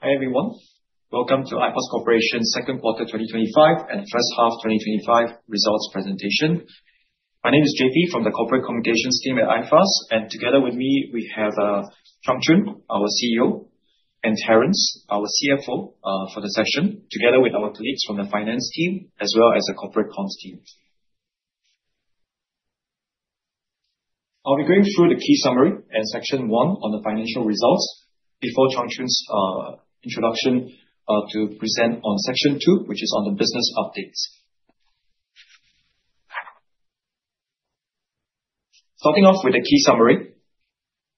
Hi, everyone. Welcome to iPass Corporation's Second Quarter twenty twenty five and First Half twenty twenty five Results Presentation. My name is JP from the Corporate Communications team at iPass. And together with me, we have Chang Chun, our CEO and Terence, our CFO for the session, together with our colleagues from the finance team as well as the corporate cons team. I'll be going through the key summary and Section one on the financial results before Chongqing's introduction to present on Section two, which is on the business updates. Starting off with a key summary.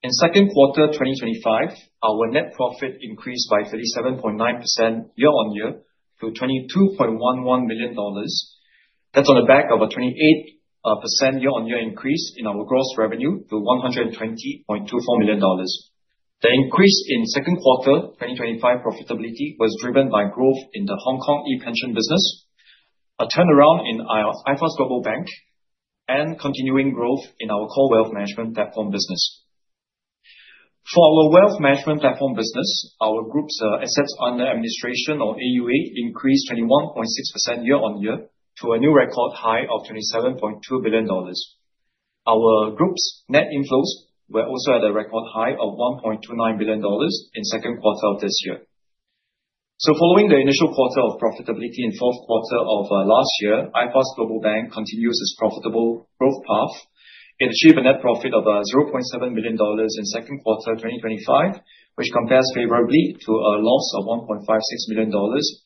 In second quarter twenty twenty five, our net profit increased by 37.9% year on year to $22,110,000 That's on the back of a 28% year on year increase in our gross revenue to $120,240,000 The increase in second quarter twenty twenty five profitability was driven by growth in the Hong Kong ePension business, a turnaround in IFAZ Global Bank and continuing growth in our core Wealth Management Platform business. For our Wealth Management Platform business, our Group's assets under administration or AUA increased 21.6 year on year to a new record high of $27,200,000,000 Our group's net inflows were also at a record high of $1,290,000,000 in second quarter of this year. So following the initial quarter profitability in fourth quarter of last year, iPass Global Bank continues its profitable growth path. It achieved a net profit of $700,000 in second quarter twenty twenty five, which compares favorably to a loss of $1,560,000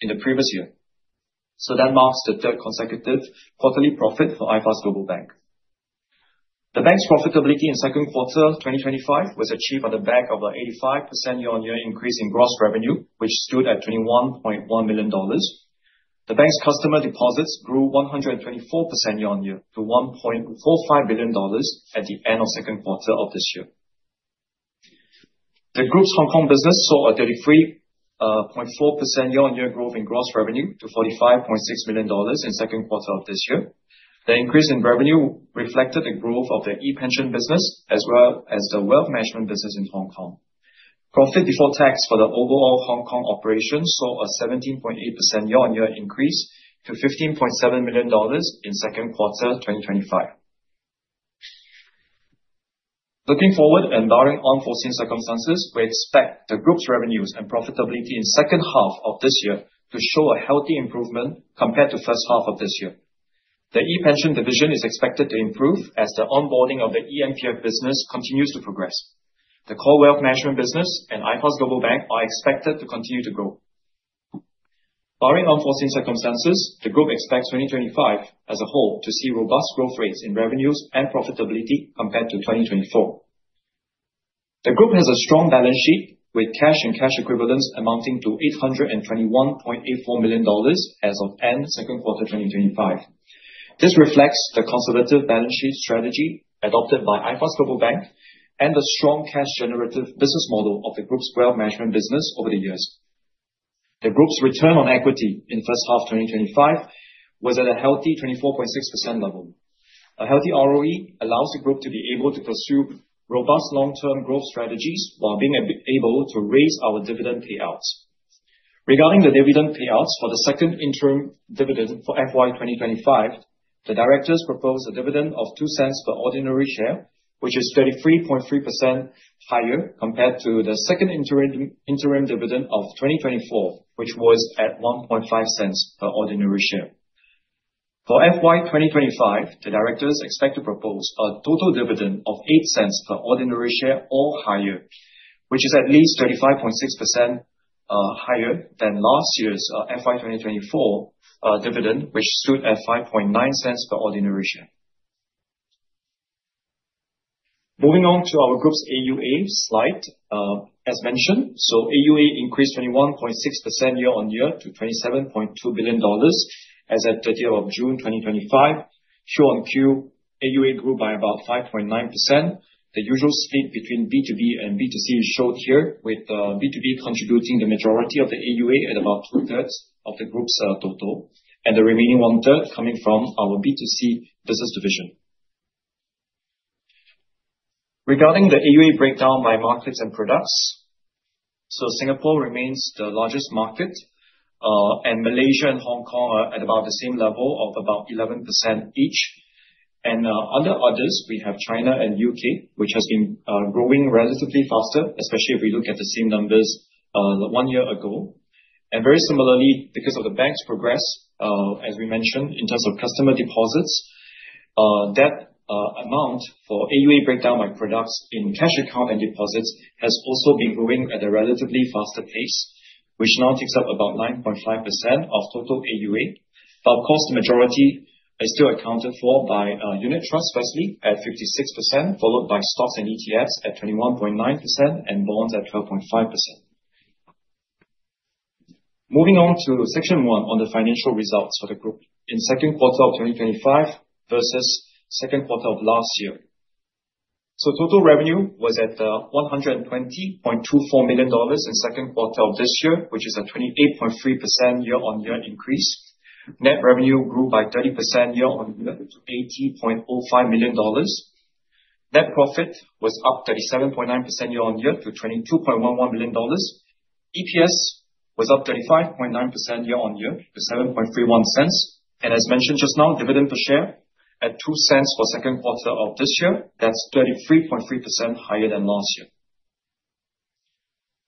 in the previous year. So that marks the third consecutive quarterly profit for iPass Global Bank. The Bank's profitability in second quarter twenty twenty five was achieved on the back of 85% year on year increase in gross revenue, which stood at $21,100,000 The bank's customer deposits grew 124 year on year to $1,450,000,000 at the end of second quarter of this year. The group's Hong Kong business saw a 33.4% year on year growth in gross revenue to $45,600,000 in second quarter of this year. The increase in revenue reflected the growth of the e pension business as well as the wealth management business in Hong Kong. Profit before tax for the overall Hong Kong operations saw a 17.8% year on year increase to $15,700,000 in second quarter twenty twenty five. Looking forward and barring unforeseen circumstances, we expect the group's revenues and profitability in second half of this year to show a healthy improvement compared to first half of this year. The E Pension division is expected to improve as the onboarding of the E and P and business continues to progress. The core wealth management business and iPOS Global Bank are expected to continue to grow. Barring unforeseen circumstances, the group expects 2025 as a whole to see robust growth rates in revenues and profitability compared to 2024. The Group has a strong balance sheet with cash and cash equivalents amounting to $821,840,000 as of end second quarter twenty twenty five. This reflects the conservative balance sheet strategy adopted by IFAW's Global Bank and the strong cash generative business model of the group's wealth management business over the years. The group's return on equity in first half twenty twenty five was at a healthy 24.6% level. A healthy ROE allows the group to be able to pursue robust long term growth strategies while being able to raise our dividend payouts. Regarding the dividend payouts for the second interim dividend for FY 2025, the directors proposed a dividend of 0.02 per ordinary share, which is 33.3% higher compared to the second interim dividend of 2024, which was at $0.15 per ordinary share. For FY 2025, the directors expect to propose a total dividend of 0.08 per ordinary share or higher, which is at least 25.6% higher than last year's FY 2024 dividend, which stood at 0.59 per ordinary share. Moving on to our group's AUA slide. As mentioned, so AUA increased 21.6% year on year to $27,200,000,000 as at June 30. Q on Q, AUA grew by about 5.9%. The usual split between B2B and B2C is showed here with B2B contributing the majority of the AUA at about twothree of the group's total and the remaining onethree coming from our B2C business division. Regarding the AUA breakdown by markets and products. So Singapore remains the largest market and Malaysia and Hong Kong are at about the same level of about 11% each. And under others, we have China and UK, which has been growing relatively faster, especially if we look at the same numbers one year ago. And very similarly, because of the bank's progress, as we mentioned, in terms of customer deposits, that amount for AUA breakdown by products in cash account and deposits has also been growing at a relatively faster pace, which now takes up about 9.5% of total AUA. Of course, the majority is still accounted for by unit trust firstly at 56%, followed by stocks and ETFs at 21.9% and bonds at 12.5%. Moving on to Section one on the financial results for the group in 2025 versus second quarter of last year. So total revenue was at $120,240,000 in second quarter of this year, which is a 28.3% year on year increase. Net revenue grew by 30% year on year to $80,050,000 Net profit was up 37.9 year on year to $22,110,000 EPS was up 35.9% year on year to $0.07 $31 And as mentioned just now, dividend per share at $02 for second quarter of this year, that's 33.3% higher than last year.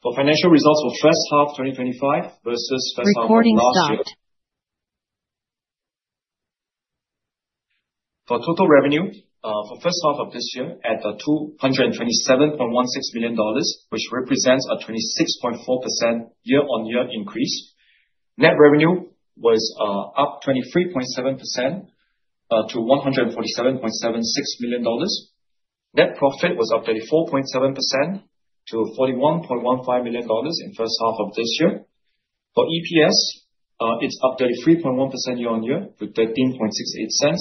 For financial results for first half twenty twenty five versus first Recording half stock. Of last total revenue for first half of this year at 2 and $27,160,000 which represents a 26.4 percent year on year increase. Net revenue was up 23.7% to $147,760,000 Net profit was up 34.7% to $41,150,000 in first half of this year. For EPS, it's up 33.1% year on year to $13.68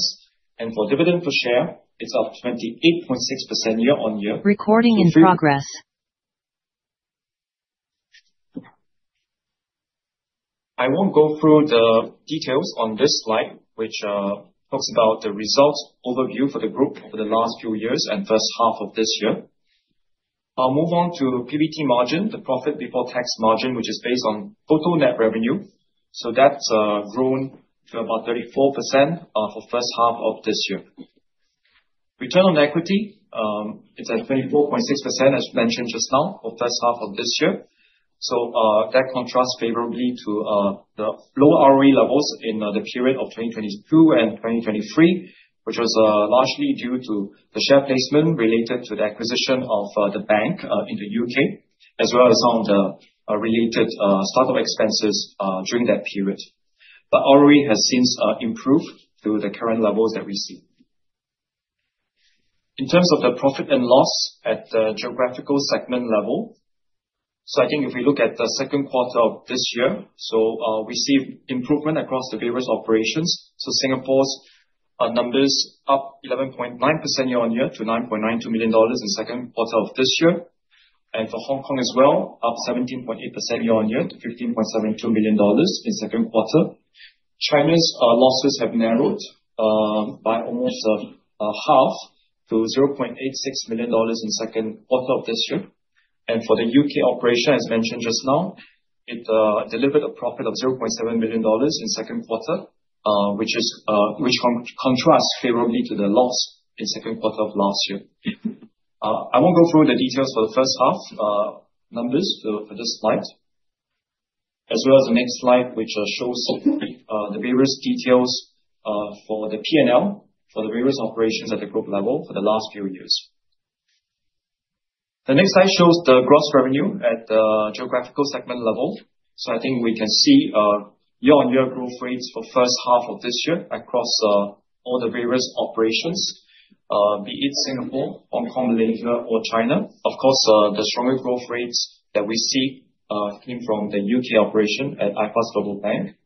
And for dividend per share, it's up 28.6% year on year. I won't go through the details on this slide, which talks about the results overview for the group for the last few years and first half of this year. I'll move on to PBT margin, the profit before tax margin, which is based on total net revenue. So that's grown to about 34% for first half of this year. Return on equity, it's at 24.6, as mentioned just now, for first half of this year. So that contrasts favorably to the low ROE levels in the period of 2022 and 2023, which was largely due to the share placement related to the acquisition of the bank in The U. K. As well as some of the related start up expenses during that period. But ROE has since improved to the current levels that we see. In terms of the profit and loss at the geographical segment level, so I think if we look at the second quarter of this year, so we see improvement across the various operations. So Singapore's numbers up 11.9% year on year to $9,920,000 in second quarter of this year. And for Hong Kong as well, up 17.8% year on year to 15,720,000 in second quarter. China's losses have narrowed by almost half to $860,000 in second quarter of this year. And for The U. K. Operation, as mentioned just now, it delivered a profit of 0.7 million dollars in second quarter, which contrast favorably to the loss in second quarter of last year. I won't go through the details for the first half numbers for this slide as well as the next slide, which shows the various details for the P and L for the various operations at the group level for the last few years. The next slide shows the gross revenue at geographical segment level. So I think we can see year on year growth rates for first half of this year across all the various operations, be it Singapore, Hong Kong, Malaysia or China. Of course, the stronger growth rates that we see came from The U. K. Operation at iPass Global Bank.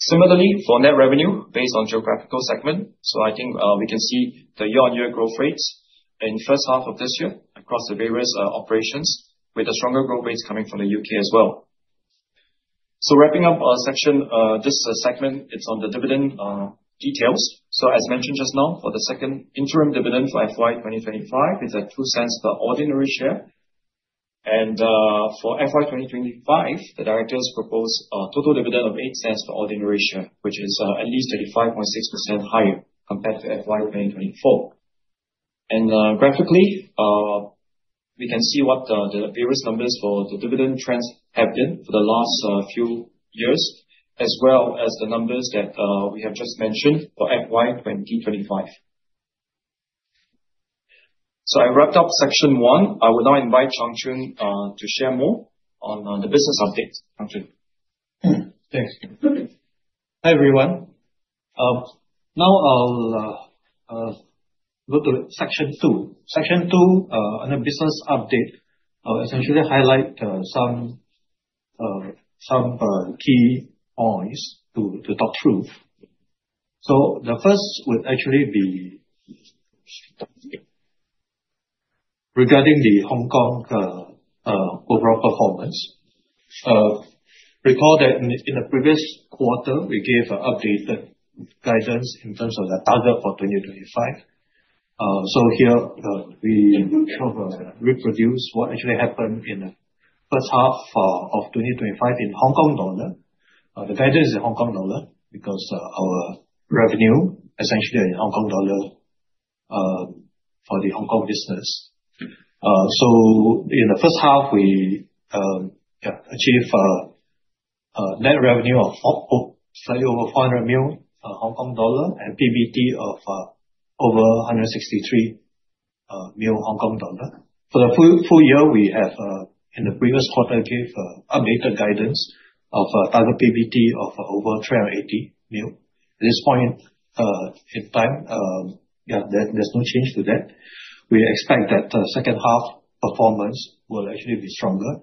Similarly, for net revenue based on geographical segment, so I think we can see the year on year growth rates in first half of this year across the various operations with the stronger growth rates coming from The U. K. As well. So wrapping up our section this segment, it's on the dividend details. So as mentioned just now, for the second interim dividend for FY 2025, it's at 0.02 per ordinary share. And for FY 2025, the directors proposed a total dividend of 0.08 per ordinary share, which is at least 35.6% higher compared to FY 2024. And graphically, we can see what the various numbers for the dividend trends have been for the last few years as well as the numbers that we have just mentioned for FY 2025. So I wrapped up Section one. I would now invite Chongqing to share more on the business update. Chongqing? Thanks. Hi, everyone. Now I'll go to section two. Section two on a business update, I'll essentially highlight some some key points to to talk through. So the first would actually be regarding the Hong Kong overall performance. Recall that in the previous quarter, we gave updated guidance in terms of the target for 2025. So here, we reproduce what actually happened in the 2025 in Hong Kong dollar. The guidance is Hong Kong dollar because our revenue essentially in Hong Kong dollar for the Hong Kong business. So in the first half, we achieved net revenue of slightly over 400 million Hong Kong dollar and PBT of over HKD163 million. For the full year, we have in the previous quarter gave updated guidance of target PBT of over $380,000,000 this point, in time, yes, there's no change to that. We expect that second half performance will actually be stronger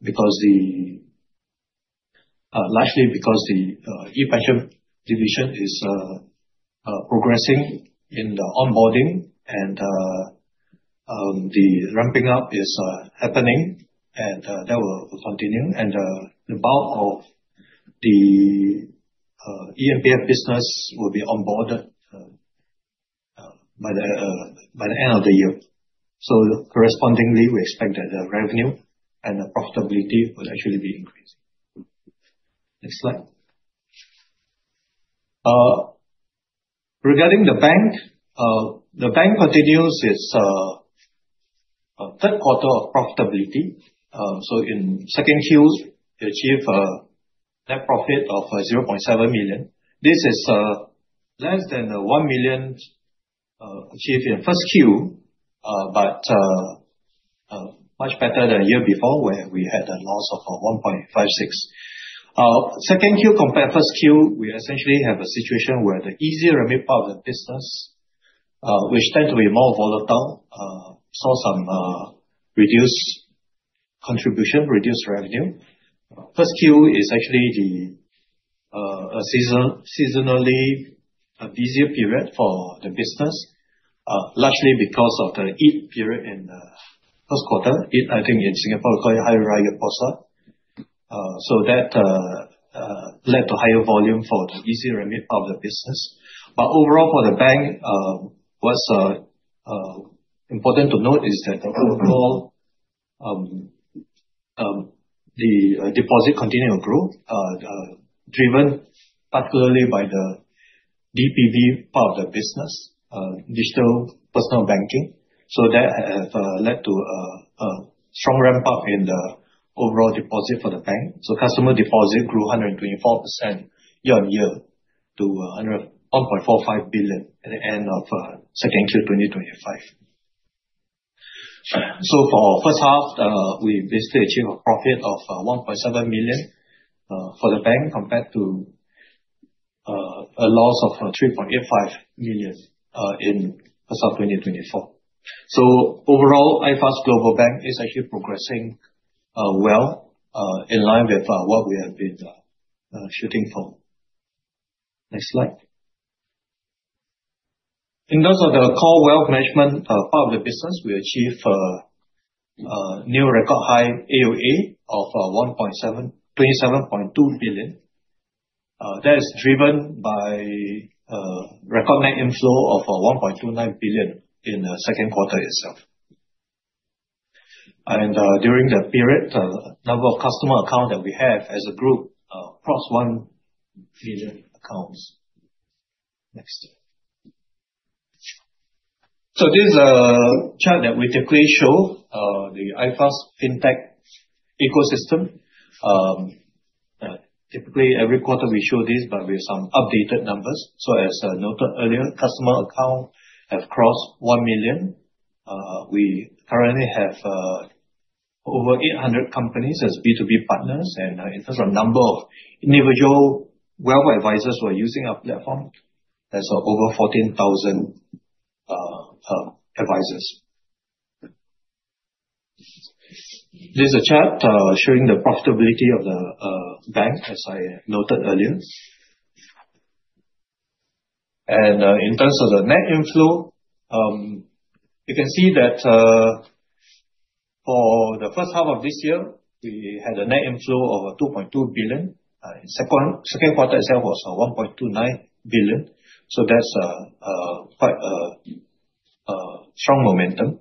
because the largely because the ePatcher division is progressing in the onboarding and the ramping up is happening and that will continue. And the bulk of E and P business will be onboarded by the end of the year. So correspondingly, we expect that the revenue and the profitability will actually be increasing. Next slide. Regarding the bank, the bank continues its third quarter of profitability. So in second Q, we achieved net profit of 0.7 million. This is less than 1 million achieved in first Q, but much better than a year before where we had a loss of 1.56. Second Q compared first Q, we essentially have a situation where the easier part of the business, which tend to be more volatile, saw some reduced contribution, reduced revenue. First Q is actually the season seasonally a busier period for the business, largely because of the EAT period EAP, I think in Singapore, call it higher rate deposit. So that led to higher volume for the EAP business. But overall for the bank, what's important to note is that overall, the deposit continued to grow, driven particularly by the DPB part of the business, digital personal banking. So that has led to a strong ramp up in the overall deposit for the bank. So customer deposit grew 124% year on year to $450,000,000 at the end of second Q twenty twenty five. So for first half, we basically achieved a profit of $1,700,000 for the bank compared to a loss of $3,850,000 in first of twenty twenty four. So overall, IFAW's Global Bank is actually progressing well, in line with what we have been shooting for. Next slide. In terms of the core wealth management part of the business, we achieved new record high AOA of billion. That is driven by record net inflow of billion in the second quarter itself. And during the period, the number of customer account that we have as a group, plus 1 billion accounts. Next. So this is a chart that we typically show the iFast fintech ecosystem. Typically, every quarter we show this, but we have some updated numbers. So as noted earlier, customer account have crossed 1,000,000. We currently have over 800 companies as b two b partners. And in terms of number of individual web advisers who are using our platform, as over 14,000 advisers. There's a chart showing the profitability of the bank as I noted earlier. And in terms of the net inflow, you can see that for the first half of this year, we had a net inflow of 2,200,000,000.0. Second quarter itself was 1,290,000,000.00. So that's quite a strong momentum.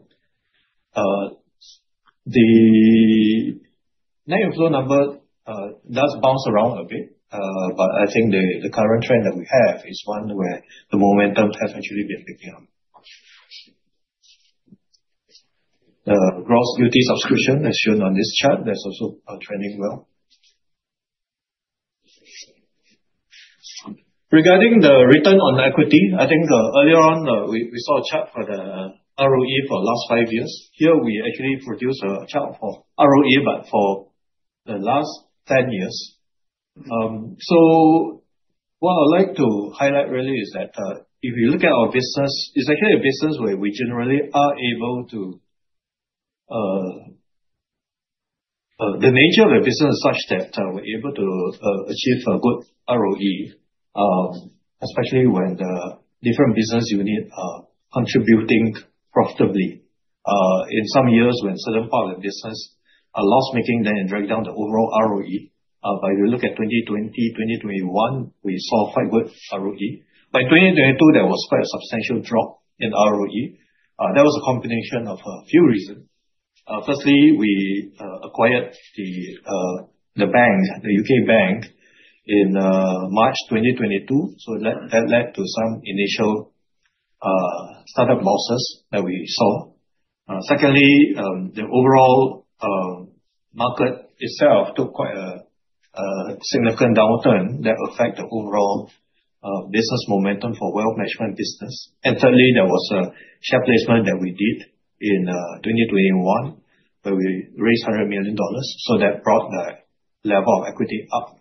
The net inflow number does bounce around a bit, but I think the current trend that we have is one where the momentum has actually been picking up. Gross duty subscription, as shown on this chart, that's also trending well. Regarding the return on equity, I think earlier on, we saw a chart for the ROE for the last five years. Here, we actually produce a chart for ROE, for the last ten years. So what I'd like to highlight really is that if you look at our business, it's actually a business where we generally are able to the nature of the business is such that we're able to achieve a good ROE, especially when the different business unit are contributing profitably. In some years, when certain part of the business are loss making then dragged down the overall ROE. But if you look at 2020, 2021, we saw five good ROE. By 2022, there was quite a substantial drop in ROE. That was a combination of a few reasons. Firstly, we acquired the bank, the U. K. Bank in March 2022. So that led to some initial startup losses that we saw. Secondly, the overall market itself took quite a significant downturn that affect the overall business momentum for Wealth Management business. And thirdly, there was a share placement that we did in 2021 where we raised $100,000,000 So that brought the level of equity up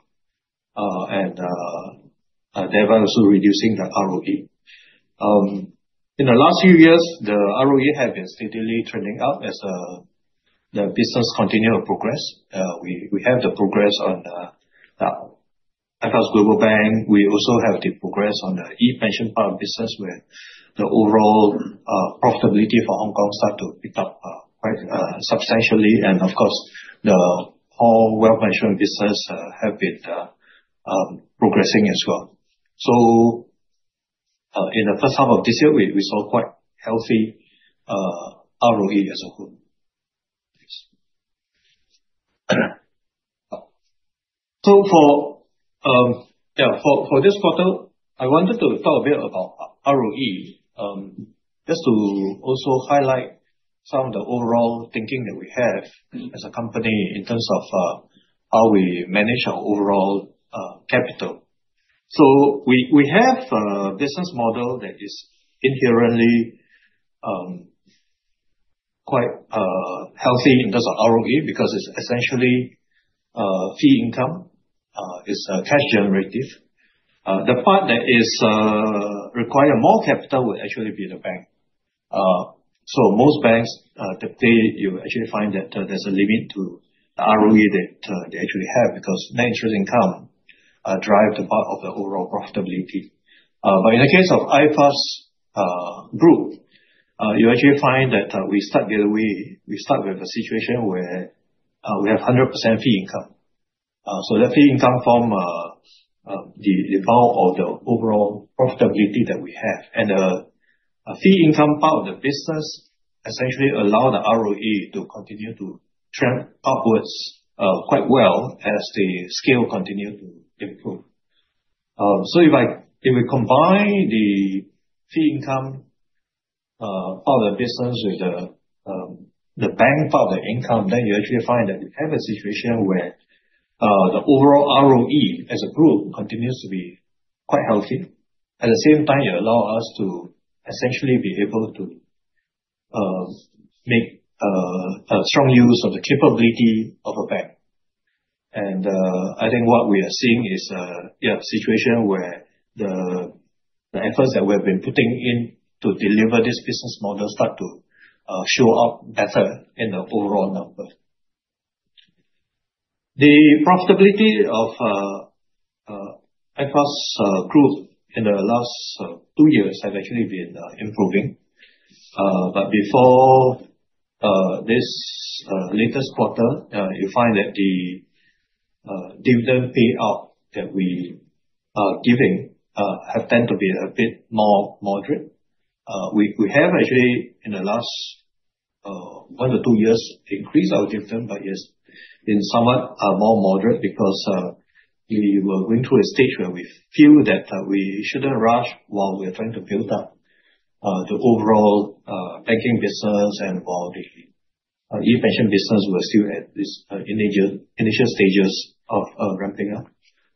thereby also reducing the ROE. In the last few years, the ROE had been steadily trending up as the business continue to progress. We have the progress on Atlas Global Bank. We also have the progress on the e pension fund business where the overall profitability for Hong Kong start to pick up quite substantially. And of course, the whole wealth management business have been progressing as well. So in the first half of this year, we saw quite healthy ROE as a whole. So for this quarter, I wanted to talk a bit about ROE just to also highlight some of the overall thinking that we have as a company in terms of how we manage our overall capital. So we have a business model that is inherently quite healthy in terms of ROE because it's essentially fee income. It's cash generative. The part that is require more capital will actually be the bank. So most banks that they actually find that there's a limit to ROE that they actually have because net interest income drive the part of the overall profitability. But in the case of IFAUST Group, you actually find that we start with a situation where we have 100% fee income. So that fee income from overall profitability that we have. And the fee income part of the business essentially allow the ROE to continue to trend upwards quite well as the scale continue to improve. So if I if we combine the fee income of the business with the the bank part of the income, then you actually find that we have a situation where the overall ROE as a group continues to be quite healthy. At the same time, it allow us to essentially be able to make a strong use of the capability of a bank. And I think what we are seeing is, yeah, situation where the the efforts that we have been putting in to deliver this business model start to show up better in the overall number. The profitability of Air France Group in the last two years have actually been improving. But before this latest quarter, you find that the dividend payout that we are giving have tend to be a bit more moderate. We have actually in the last one to two years increased our dividend by years in somewhat more moderate because we were going through a stage where we feel that we shouldn't rush while we are trying to build up the overall banking business and while the ePension business, we're still at this initial stages of ramping up.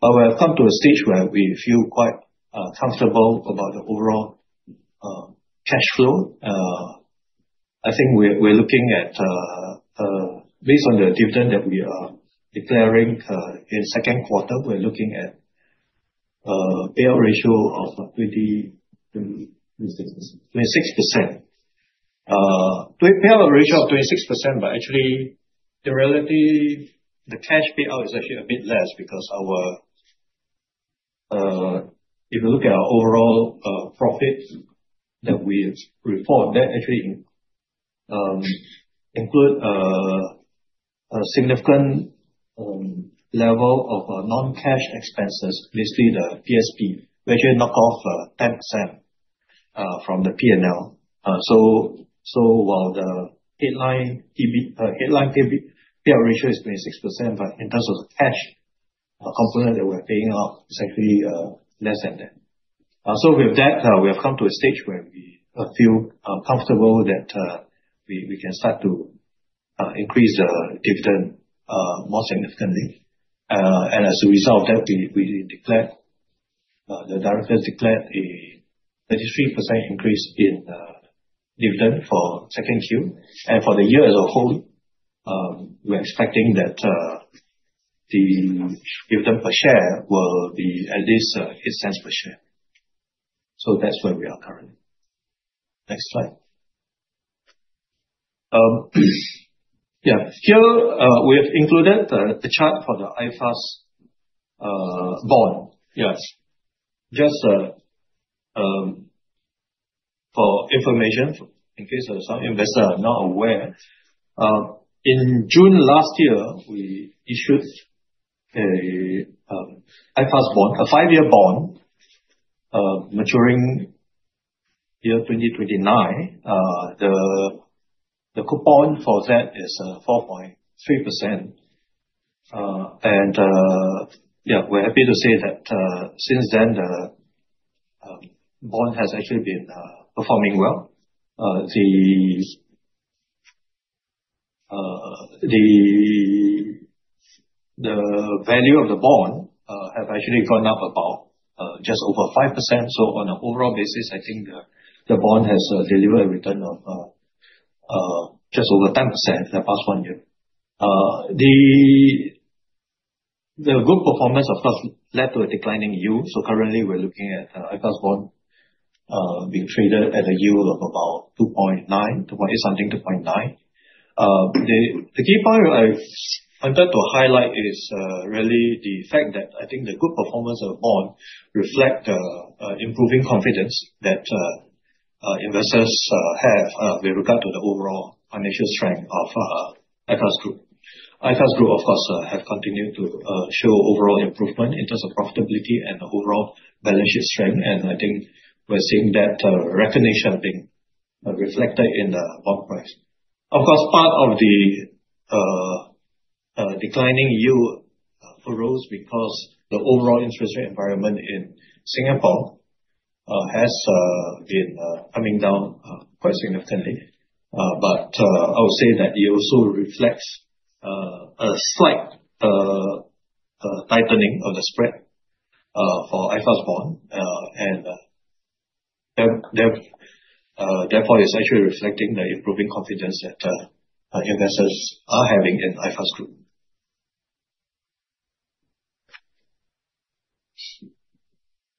But we have come to a stage where we feel quite comfortable about the overall cash flow. I think we're looking at based on the dividend that we are declaring in second quarter, we're looking at payout ratio of 26%. We have a ratio of 26%, but actually, the relative the cash payout is actually a bit less because our if you look at our overall profit that we report, that actually include significant level of noncash expenses, basically the PSP, which we knock off 10% from the P and L. So while the headline payout ratio is 26%, but in terms of cash component that we're paying off, it's actually less than that. So with that, we have come to a stage where we feel comfortable that we can start to increase the dividend more significantly. And as a result of that, we declared the directors declared a 33% increase in dividend for second Q. And for the year as a whole, we're expecting that the dividend per share will be at least $0.8 per share. So that's where we are currently. Next slide. Yes. Here, we have included the chart for the IFRS bond. Yes. Just for information in case some investor are not aware. In June, we issued I passed bond, a five year bond maturing year 2029. The coupon for that is 4.3%. And yes, we're happy to say that since then, the bond has actually been performing well. The value of the bond have actually gone up about just over 5%. So on an overall basis, I think the bond has delivered a return of just over 10% in the past one year. The good performance of course led to a declining yield. So currently, we're looking at ICOS bond being traded at a yield of about 2.9, something 2.9. The key point I wanted to highlight is really the fact that I think the good performance of bond reflect improving confidence that investors have with regard to the overall financial strength of Group. IFRS Group, of course, have continued to show overall improvement in terms of profitability and overall balance sheet strength. And I think we're seeing that recognition being reflected in the bond price. Of course, part of the declining yield arose because the overall interest rate environment in Singapore has been coming down quite significantly. But I would say that it also reflects a slight tightening of the spread for IFRS one. And therefore it's actually reflecting the improving confidence that investors are having in IFRS Group.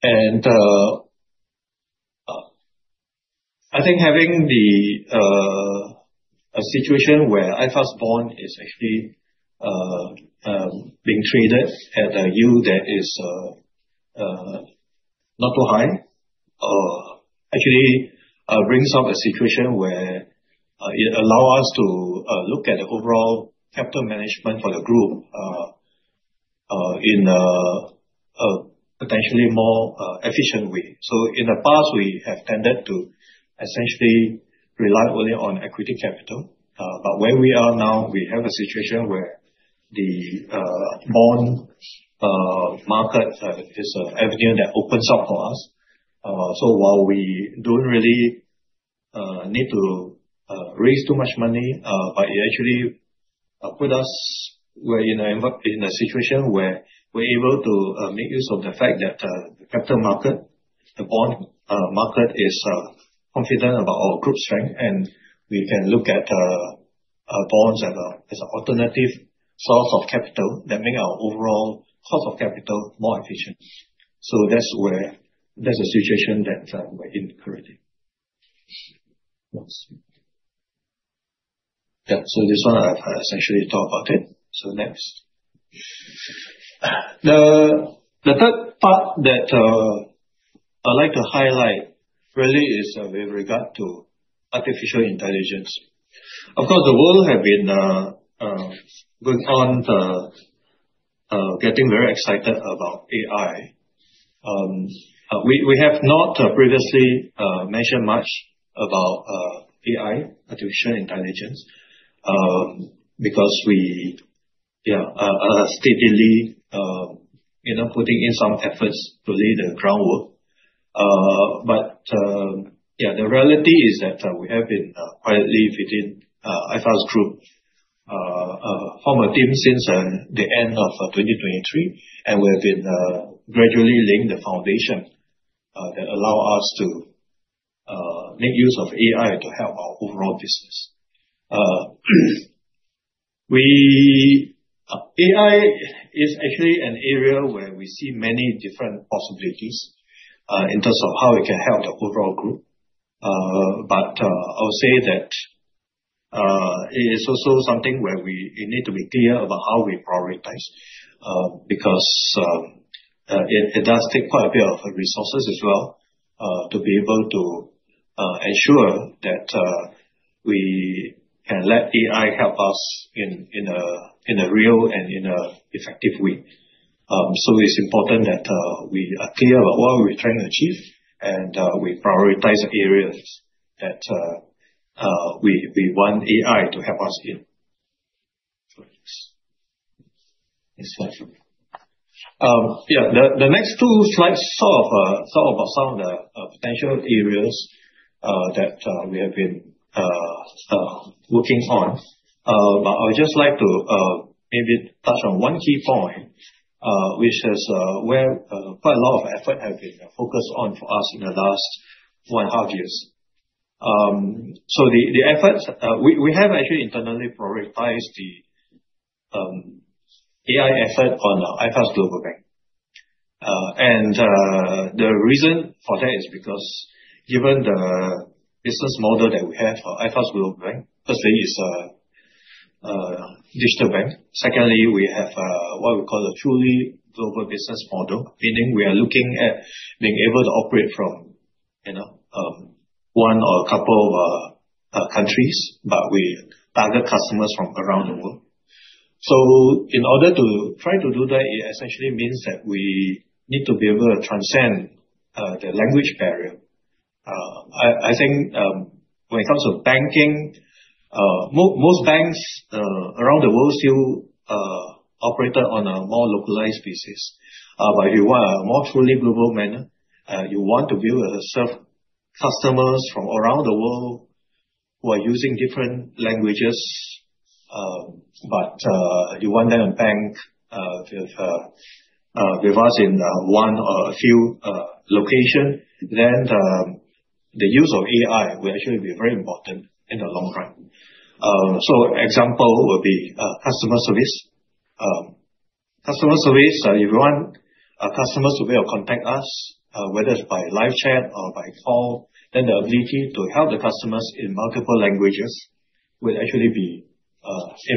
And I think having the a situation where I first born is actually being treated at a yield that is not too high, actually brings up a situation where it allow us to look at the overall capital management for the group in a potentially more efficient way. So in the past, we have tended to essentially rely only on equity capital. But where we are now, we have a situation where the bond market is an avenue that opens up for us. So while we don't really need to raise too much money, but it actually put us where, you know, in a situation where we're able to make use of the fact that the capital market, the bond market is confident about our group strength, and we can look at bonds as an alternative source of capital that make our overall cost of capital more efficient. So that's where there's a situation that we're in currently. Yeah. So this one, I I essentially talk about it. So next. The the third part that I'd like to highlight really is with regard to artificial intelligence. Of course, the world have been going on getting very excited about AI. We we have not previously mentioned much about AI, artificial intelligence, because we, yeah, are steadily, you know, putting in some efforts to lay the groundwork. But yes, the reality is that we have been quietly within IFA's group, former team since the end of twenty twenty three, and we have been gradually laying the foundation that allow us to make use of AI to help our overall business. We AI is actually an area where we see many different possibilities in terms of how we can help the overall group. But I'll say that it is also something where we need to be clear about how we prioritize because it it does take quite a bit of resources as well to be able to ensure that we can let AI help us in in a in a real and in a effective way. So it's important that we are clear about what we're trying to achieve, and we prioritize areas that we we want AI to help us in. Yeah. The next two slides sort of some of the potential areas that we have been working on. But I would just like to maybe touch on one key point, which is where quite a lot of effort have been focused on for us in the last one point five years. So the the efforts we we have actually internally prioritized the AI effort on iPass Global Bank. And the reason for that is because given the business model that we have for Air France Global Bank, firstly, is a digital bank. Secondly, we have what we call a truly global business model, meaning we are looking at being able to operate from, you know, one or a couple of countries, but we target customers from around the world. So in order to try to do that, it essentially means that we need to be able to transcend the language barrier. I I think when it comes to banking, most banks around the world still operate on a more localized basis. But if you want a more fully global manner, you want to be able to serve customers from around the world who are using different languages, but you want them to bank with us in one or a few location, then the use of AI will actually be very important in the long run. So example will be customer service. Customer service, if you want customers to be able to contact us, whether it's by live chat or by call, then the ability to help the customers in multiple languages will actually be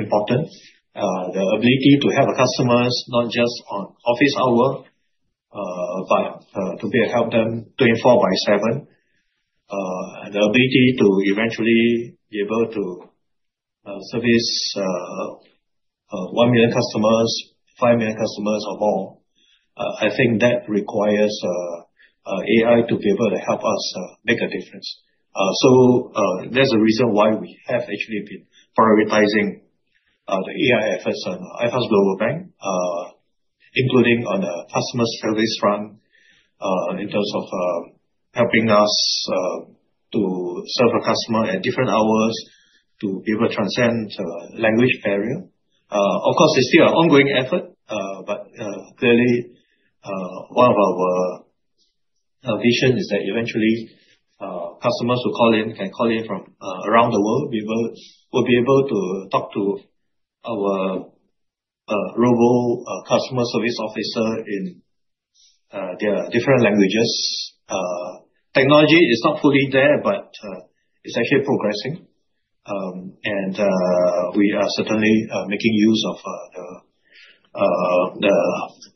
important. The ability to have customers not just on office hour, but to be able help them 24 by seven. The ability to eventually be able to service 1,000,000 customers, 5,000,000 customers, or more. I think that requires AI to be able to help us make a difference. So there's a reason why we have actually been prioritizing the AIFS and IFS Global Bank, including on the customer service front in terms of helping us to serve a customer at different hours to be able to transcend language barrier. Of course, it's still an ongoing effort, but clearly, of our vision is that eventually customers will call in and call in from around the world. We will we'll be able to talk to our robo customer service officer in their different languages. Technology is not fully there, but it's actually progressing. And we are certainly making use of the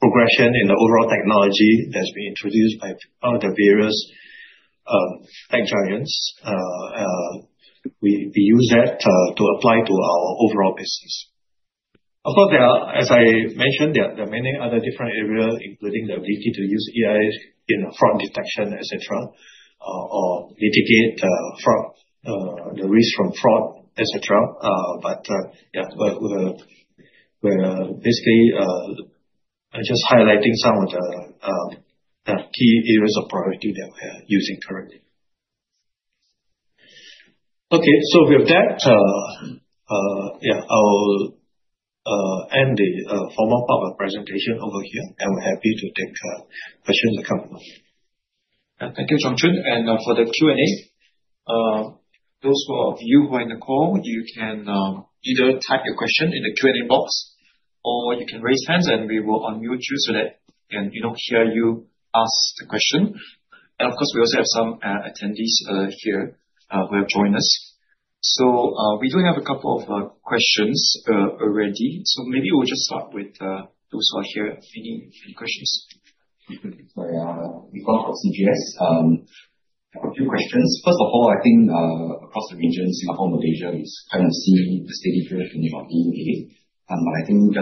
progression in the overall technology that's been introduced by all the various bank giants. We use that to apply to our overall business. Although there are as I mentioned, there are there are many other different area, including the ability to use EIS in fraud detection, etcetera, mitigate fraud the risk from fraud, etcetera. But yeah. But basically just highlighting some of the the key areas of priority that we are using currently. Okay. So with that, yeah, I'll end the formal part of the presentation over here, and we're happy to take questions that come from here. Thank you, Chongqing. And for the Q and A, those of you who are in the call, you can either type your question in the Q and A box or you can raise hands and we will unmute you so that we hear you ask the question. And of course, we also have some attendees here who have joined us. So we do have a couple of questions already. So maybe we'll just start with Dusua here. Any questions? We've got from CGS. I have a few questions. First of all, I think across the region, Singapore, Malaysia is kind of seeing the steady finish in your DEA. We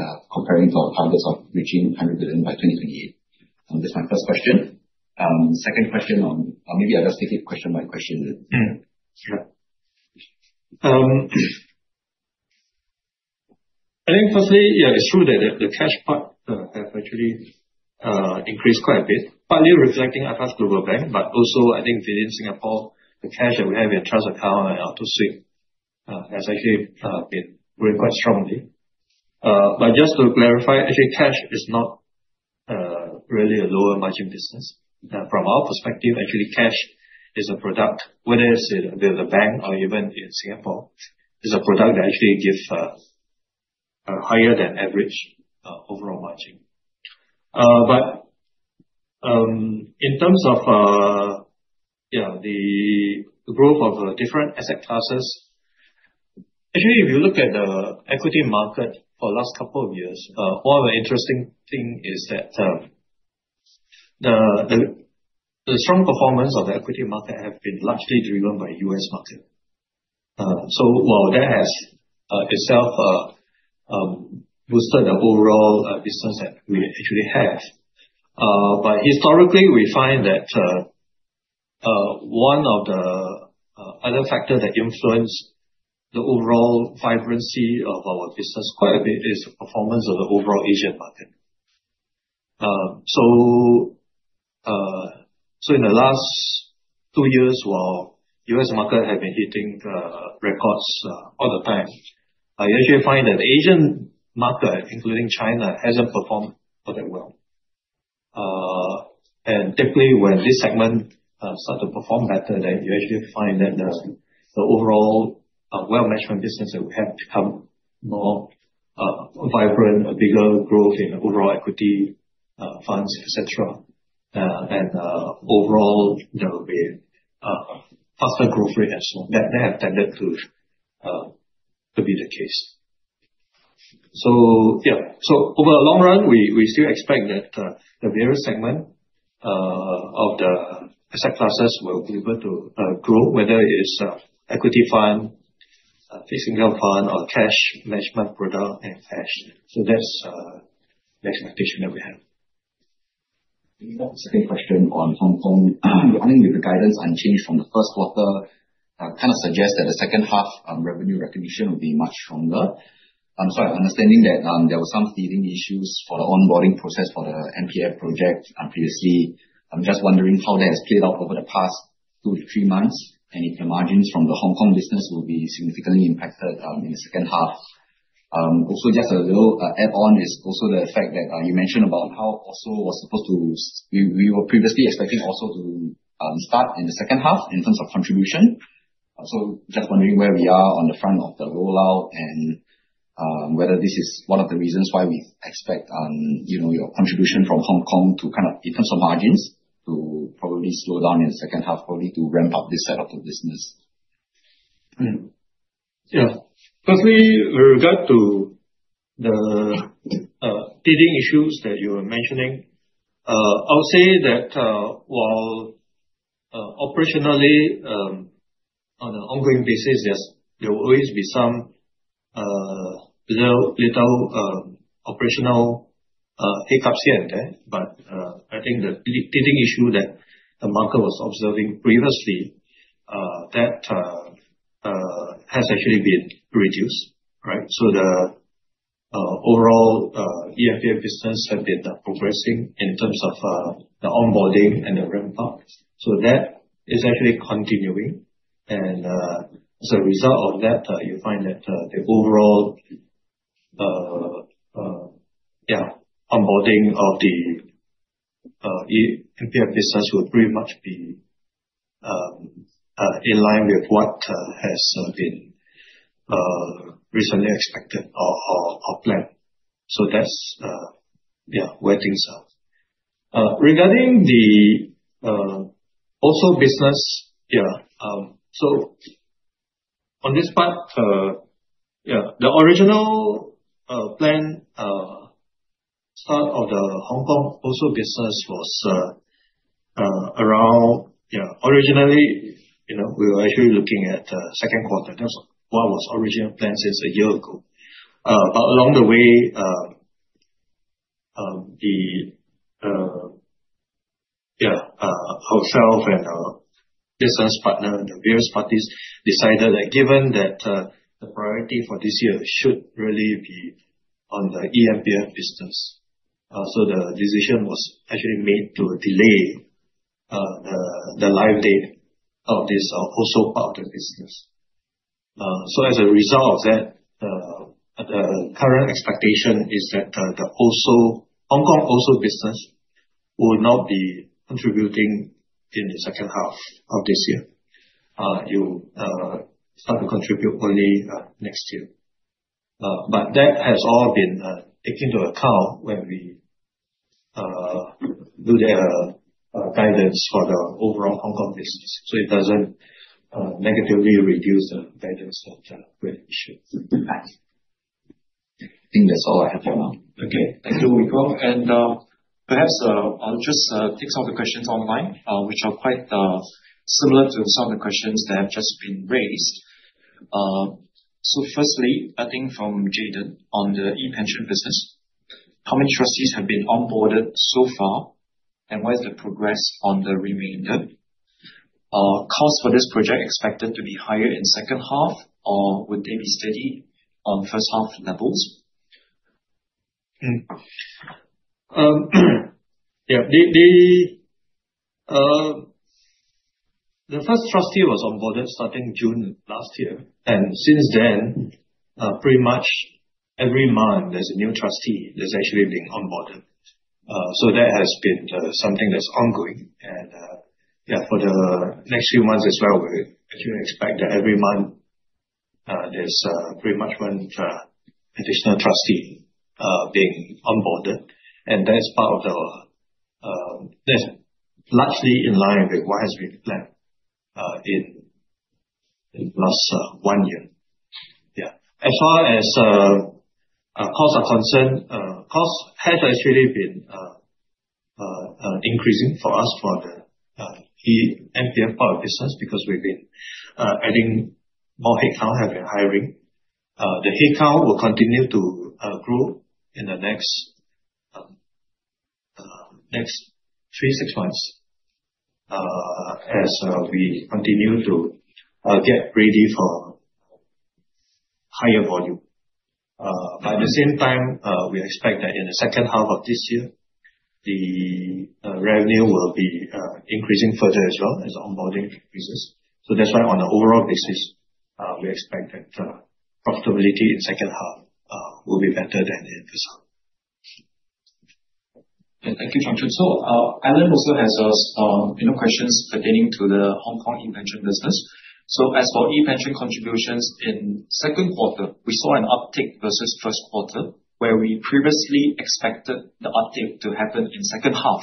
are comparing to our targets of reaching $100,000,000,000 by 2028? That's my first question. Second question on or maybe I'll just take it question by question. Think firstly, yes, it's true that the cash part have actually increased quite a bit, partly reflecting our trust global bank, but also I think within Singapore, the cash that we have in trust account and our two sig has actually been very quite strongly. But just to clarify, actually cash is not really a lower margin business. From our perspective, actually cash is a product, whether it's with the bank or even in Singapore, is a product that actually gives higher than average overall margin. But in terms of the growth of different asset classes, Actually, if you look at the equity market for the last couple of years, one of the interesting thing is that the strong performance of the equity market have been largely driven by US market. So while that has itself boosted the overall business that we actually have, but historically we find that one of the other factor that influenced the overall vibrancy of our business quite a bit is the performance of the overall Asian market. So in the last two years, while U. S. Market had been hitting records all the time, you actually find that Asian market, including China, hasn't performed very well. And typically, when this segment start to perform better, then you actually find that the overall wealth management business will have become more vibrant, a bigger growth in overall equity funds, etcetera. And overall, there will be a faster growth rate as well. That tended to be the case. So yes, so over the long run, we still expect that the various segment of the asset classes will be able to grow, whether it's equity fund, fixed income fund or cash management product and cash. So that's the expectation that we have. And you got the second question on Hong Kong. Regarding the guidance unchanged from the first quarter, kind of suggests that the second half revenue recognition will be much stronger. I'm sorry, understanding that there were some feeding issues for the onboarding process for the MPF project previously. I'm just wondering how that has played out over the past two to three months and if the margins from the Hong Kong business will be significantly impacted in the second half. Also just a little add on is also the effect that you mentioned about how Oso was supposed to we were previously expecting Oso to start in the second half in terms of contribution. So just wondering where we are on the front of the rollout and whether this is one of the reasons why we expect your contribution from Hong Kong to kind of in terms of margins to probably slow down in the second half probably to ramp up this set of the business. Firstly, with regard to the bidding issues that you were mentioning, I'll say that while operationally, on an ongoing basis, there will always be some little operational hiccups here and there. But I think the leading issue that the market was observing previously that has actually been reduced, right? So the overall EFDA business have been progressing in terms of the onboarding and the ramp up. So that is actually continuing. And as a result of that, you find that the overall onboarding of the MPS business will pretty much be in line with what has been recently expected or planned. So that's, yes, where things are. Regarding the also business yeah. So on this part, yeah, the original plan start of the Hong Kong postal business was around originally, we were actually looking at second quarter. That's what was originally planned since a year ago. Along the way, the yes, our sales and our business partner and the various parties decided that given that the priority for this year should really be on the e and p and business. So the decision was actually made to delay the live date of this also part of business. So as a result of that, the current expectation is that the Hong Kong also business will not be contributing in the second half of this year. It will start to contribute only next year. But that has all been taken into account when we do their guidance for the overall Hong Kong business. So it doesn't negatively reduce the guidance of the credit issue. I think that's all I have for now. Okay. Thank you, Wigong. And perhaps I'll just take some of the questions online, which are quite similar to some of the questions that have just been raised. So firstly, I think from Jayden on the ePension business. How many trustees have been onboarded so far? And what is the progress on the remainder? Cost for this project expected to be higher in second half? Or would they be steady on first half levels? Yeah. The first trustee was on boarded starting June. And since then, pretty much every month, there's a new trustee that's actually being onboarded. So that has been something that's ongoing. And yes, for the next few months as well, actually expect that every month, there's pretty much one additional trustee being onboarded. And that's part of the that's largely in line with what has been planned in last one year. Yes. As far as costs are concerned, costs has actually been increasing for us for the MPF part of business because we've been adding more headcount and hiring. The headcount will continue to grow in the next three, six months as we continue to get ready for higher volume. By the same time, we expect that in the second half of this year, the revenue will be increasing further as well as onboarding increases. So that's why on an overall basis, we expect that profitability in second half will be better than in this half. Thank you, Chung Chun. So Alan also has questions pertaining to the Hong Kong ePension business. So as for ePension contributions in second quarter, we saw an uptick versus first quarter where we previously expected the uptick to happen in second half.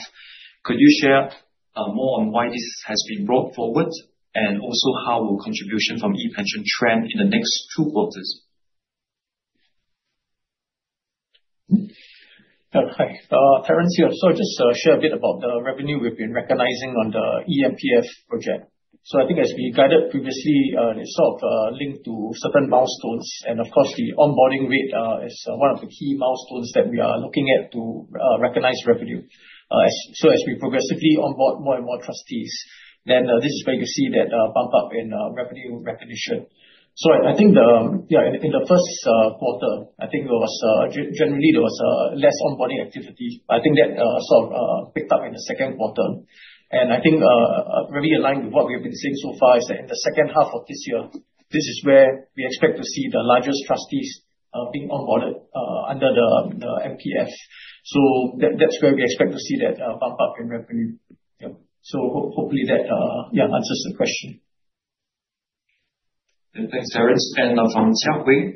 Could you share more on why this has been brought forward? And also how will contribution from ePension trend in the next two quarters? Terence here. So I'll just share a bit about the revenue we've been recognizing on the eMPF project. So I think as we guided previously, it's sort of linked to certain milestones and of course the onboarding rate is one of the key milestones that we are looking at to recognize revenue. So as we progressively onboard more and more trustees then this is where you see that bump up in revenue recognition. So I think in the first quarter I think there was generally there was less on boarding activity. I think that sort of picked up in the second quarter. And I think really aligned with what we've been seeing so far is that in the second half of this year this is where we expect to see the largest trustees being on boarded under the MPS. So that's where we expect to see that bump up in revenue. So hopefully that answers the question. Thanks, Terence. And from Xiaopui,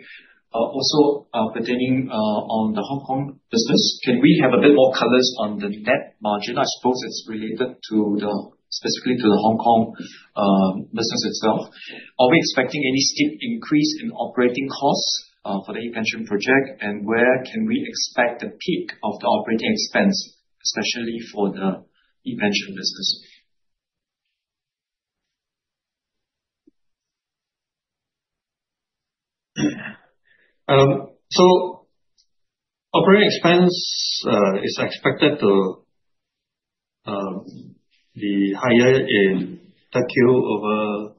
also pertaining on the Hong Kong business, can we have a bit more colors on the net margin? I suppose it's related to the specifically to the Hong Kong business itself. Are we expecting any steep increase in operating costs for the ePension project? And where can we expect the peak of the operating expense, especially for the ePension business? So operating expense is expected to be higher in third Q over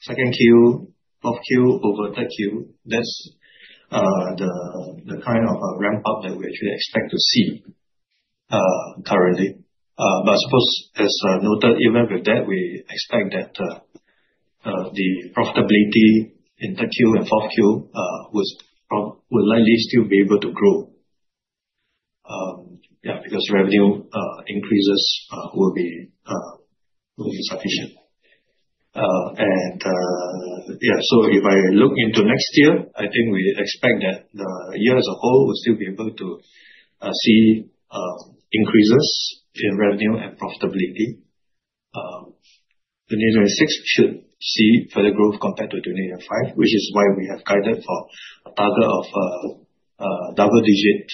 second Q, fourth Q over third Q. That's the kind of ramp up that we actually expect to see currently. But I suppose, as noted, even with that, we expect that the profitability in 3Q and 4Q will likely still be able to grow yes, because revenue increases will be sufficient. And yes, so if I look into next year, I think we expect that year as a whole, we'll still be able to see increases in revenue and profitability. 2019 should see further growth compared to 2019, is why we have guided for other of double digit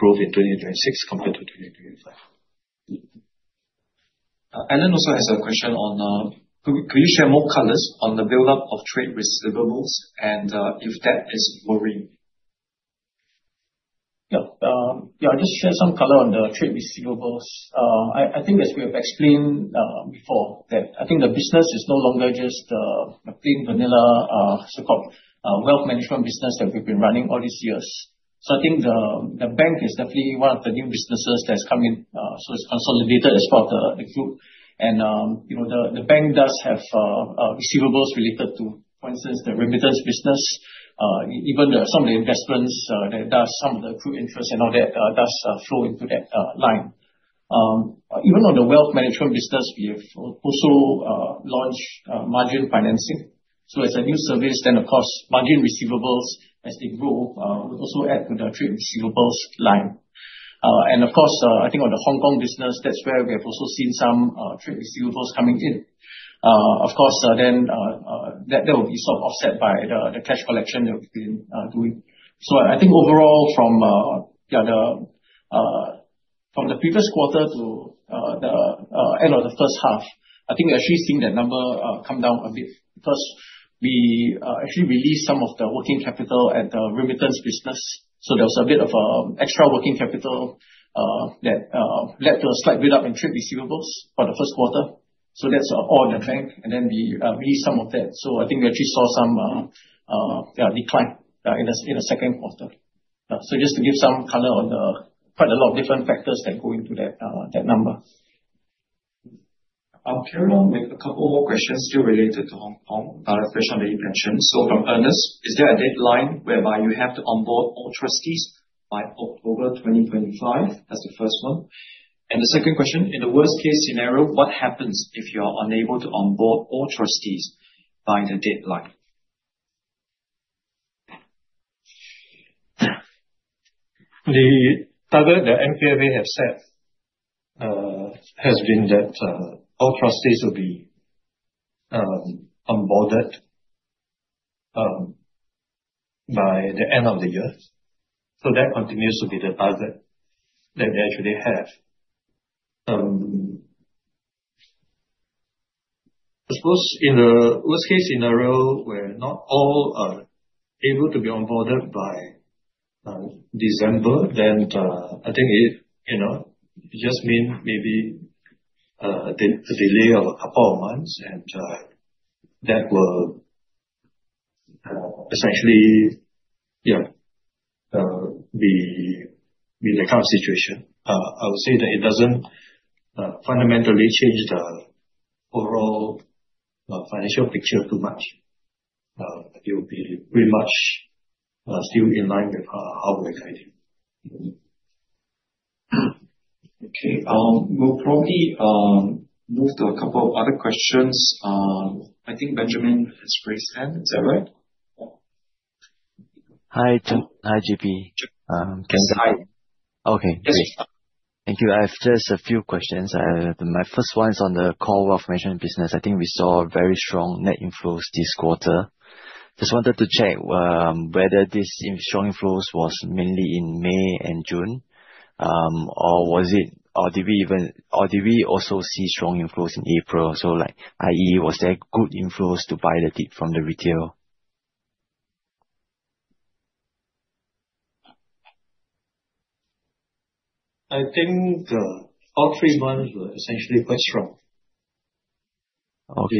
growth in 2026 compared to 2025. Alan also has a question on could you share more colors on the buildup of trade receivables and if that is worrying? Yes. I'll just share some color on the trade receivables. I think as we have explained before that I think the business is no longer just a plain vanilla so called wealth management business that we've been running all these years. So I think the bank is definitely one of the new businesses that's come in so it's consolidated as part of the group. And the bank does have receivables related to for instance the remittance business even some of the investments that does some of the true interest and all that does flow into that line. Even on the wealth management business we have also launched margin financing. So as a new service then of course margin receivables as they grow also add to the trade receivables line. And of course I think on the Hong Kong business that's where we have also seen some trade receivables coming in. Of course then that will be sort of offset by the cash collection that we've been doing. So I think overall from the previous quarter to end of the first half, I think we're actually seeing that number come down a bit. First, we actually released some of the working capital at remittance business. So there was a bit of extra working capital that led to a slight buildup in trade receivables for the first quarter. So that's all in the trend and then we released some of that. So I think we actually saw some decline in the second quarter. So just to give some color on quite a lot of different factors that go into that number. I'll carry on with a couple more questions still related to Hong Kong, a question on the ePension. So from Ernest, is there a deadline whereby you have to onboard all trustees by October 2025? That's the first one. And the second question, in the worst case scenario, what happens if you are unable to onboard all trustees by the deadline? The target that MPFA have said has been that all processes will be on boarded by the end of the year. So that continues to be the target that they actually have. I suppose in a worst case scenario where not all are able to be onboarded by December, then I think it, you know, just mean maybe the delay of a couple of months and that will essentially, yeah, the the current situation. I would say that it doesn't fundamentally change the overall financial picture too much. It will be pretty much still in line with our outlook idea. Okay. We'll probably move to a couple of other questions. I think Benjamin has raised hand, is that right? I have just a few questions. My first one is on the core wealth management business. I think we saw very strong net inflows this quarter. Just wanted to check whether this strong inflows was mainly in May and June? Or was it or did we even or did we also see strong inflows in April? So like, I. E, was there good inflows to buy the dip from the retail? I think all three months were essentially quite strong. Okay.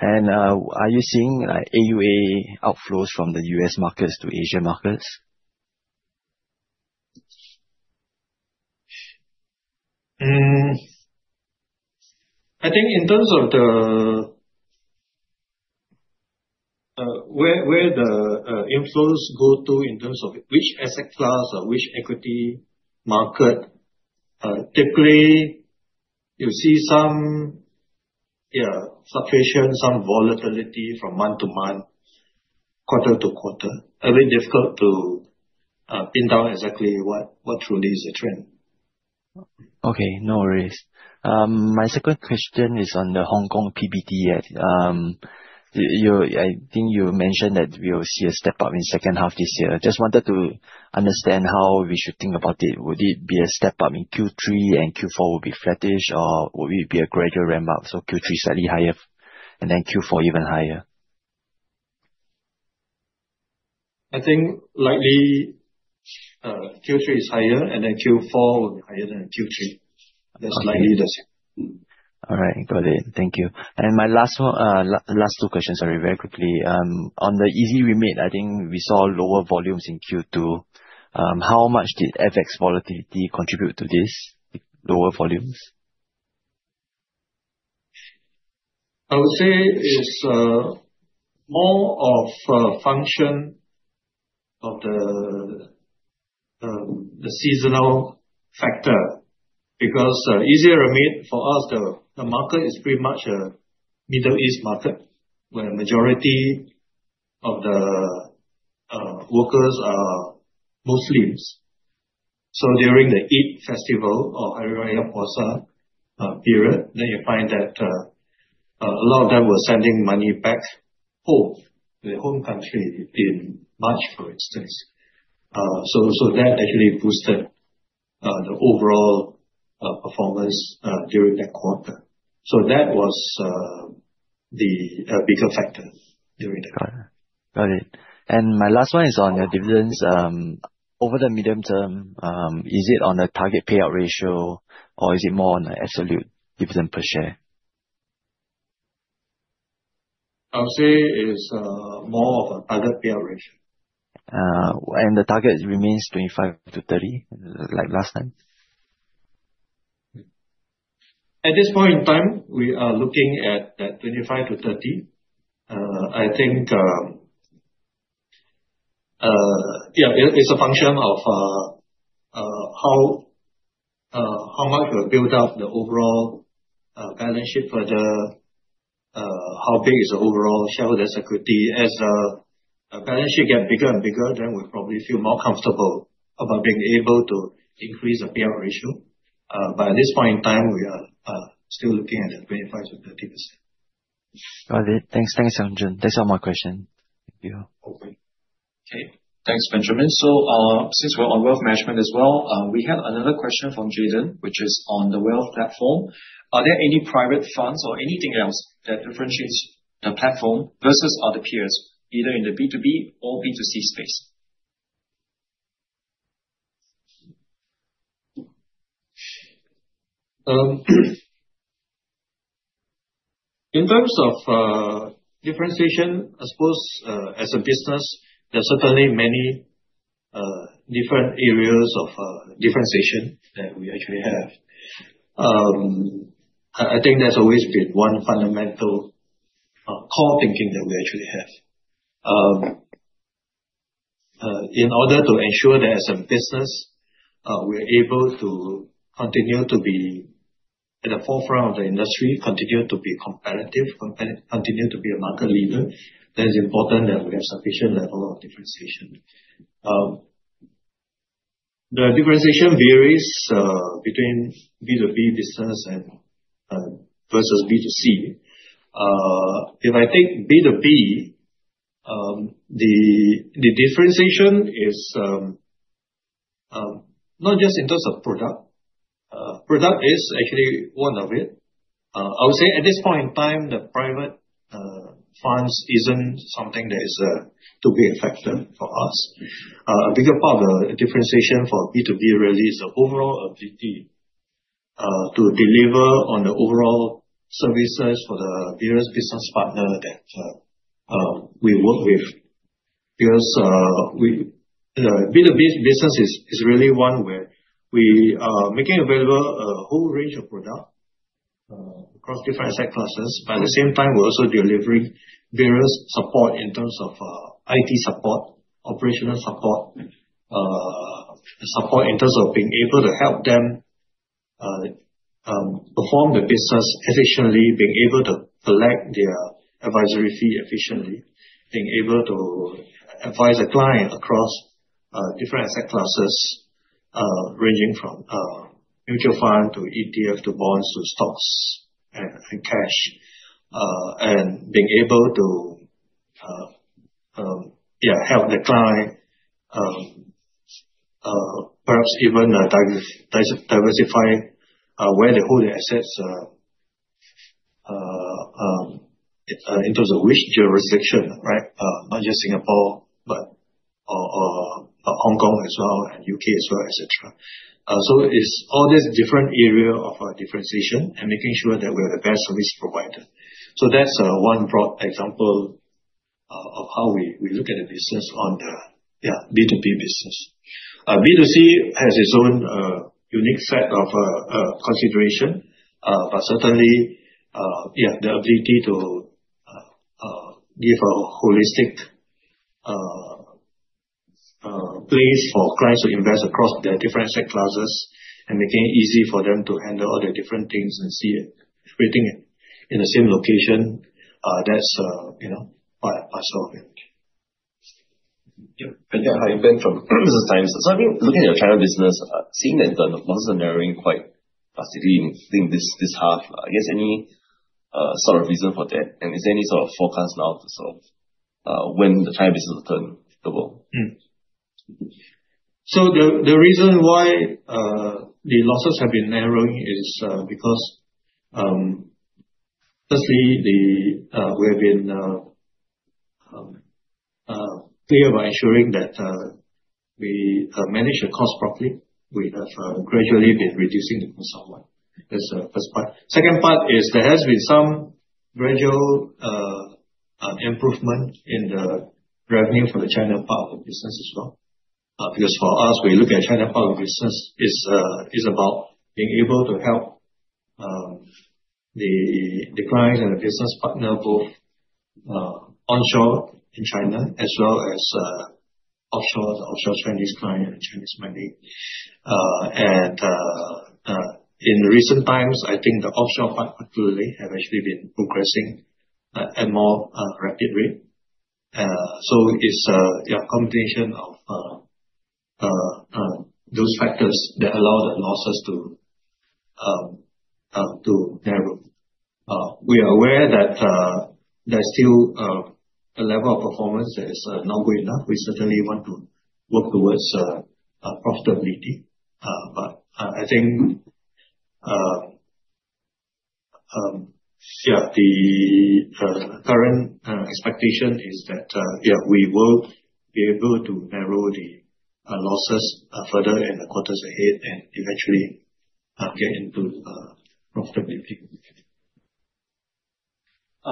And are you seeing, like, AUA outflows from The US markets to Asian markets? I think in terms of the where where the inflows go to in terms of which asset class or which equity market, typically, you see some, yeah, fluctuations, some volatility from month to month, quarter to quarter. A bit difficult to pin down exactly what truly is the trend. Okay. No worries. My second question is on the Hong Kong PBT. Think you mentioned that we will see a step up in second half this year. I just wanted to understand how we should think about it. Would it be a step up in Q3 and Q4 will be flattish? Or will it be a gradual ramp up, so Q3 slightly higher and then Q4 even higher? I think likely Q3 is higher and then Q4 will be higher than That's slightly less. All right. Got it. Thank you. And my last two questions, sorry, very quickly. On the EV remit, I think we saw lower volumes in Q2. How much did FX volatility contribute to this lower volumes? I would say it's more of a function of the seasonal factor because easier for us, the the market is pretty much a Middle East market where majority of the workers are Muslims. So during the Eid festival or area of Horsa period, then you find that a lot of them were sending money back home, their home country in March, for instance. So that actually boosted the overall performance during the quarter. So that was the bigger factor during the quarter. Got it. And my last one is on your dividends. Over the medium term, is it on the target payout ratio? Or is it more on absolute dividend per share? I would say it's more of a target payout ratio. And the target remains 25 to 30 like last time? At this point in time, we are looking at that 25 to 30. I think, yeah, it's a function of how much we build up the overall balance sheet further, how big is the overall shareholder's equity. As balance sheet get bigger and bigger, then we probably feel more comfortable about being able to increase the payout ratio. But at this point in time, we are still looking at 25 to 30%. Got it. Thanks, Yongjun. Thanks for all my questions. Okay. Thanks, Benjamin. So since we're on wealth management as well, we have another question from Jayden, which is on the wealth platform. Are there any private funds or anything else that differentiates the platform versus other peers, either in the B2B or B2C space? In terms of differentiation, I suppose as a business, there are certainly many different areas of differentiation that we actually have. I think there's always been one fundamental core thinking that we actually have. In order to ensure that as a business, we are able to continue to be at the forefront of the industry, continue to be competitive, continue to be a market leader, that is important that we have sufficient level of differentiation. The differentiation varies between B2B business and versus B2C. If I take B2B, the differentiation is not just in terms of product. Product is actually one of it. I would say at this point in time, the private funds isn't something that is to be effective for us. A bigger part of the differentiation for b two b really is the overall ability to deliver on the overall services for the various business partner that we work with. Because we you know, b to b business is is really one where we are making available a whole range of product across different asset classes. By the same time, we're also delivering various support in terms of IT support, operational support, support in terms of being able to help them perform the business efficiently, being able to collect their advisory fee efficiently, being able to advise a client across different asset classes ranging from mutual fund to ETF to bonds to stocks and and cash and being able to, yeah, help the client, perhaps even diversify where they hold their assets in terms of which jurisdiction, right, not just Singapore, but Hong Kong as well and UK as well, etcetera. So it's all these different area of differentiation and making sure that we are the best of which provider. So that's one broad example of how we look at the business on the B2B business. B2C has its own unique set of consideration, but certainly, yeah, the ability to give a holistic place for clients to invest across their different set classes and making it easy for them to handle all the different things and see it fitting it in the same location. That's, you know, part of it. Yeah. Hi. Ben from. So I think looking at your China business, seeing that the deposits are narrowing quite fast in this this half. I guess any sort of reason for that? And is there any sort of forecast now to solve when the time business will turn to go? So the the reason why the losses have been narrowing is because, firstly, we have been clear by ensuring that we manage the cost properly. We have gradually been reducing the cost. That's the first part. Second part is there has been some gradual improvement in the revenue from the China part of the business as well. Because for us, we look at China part of the business is about being able to help the clients and the business partner both onshore in China as well as offshore, the offshore Chinese client and Chinese money. And in recent times, I think the offshore part particularly have actually been progressing at more rapid rate. So it's a combination of those factors that allow the losses to narrow. We are aware that there's still a level of performance that is not good enough. We certainly want to work towards profitability. But I think, yes, the current expectation is that, yes, we will be able to narrow the losses further in the quarters ahead and eventually get into profitability.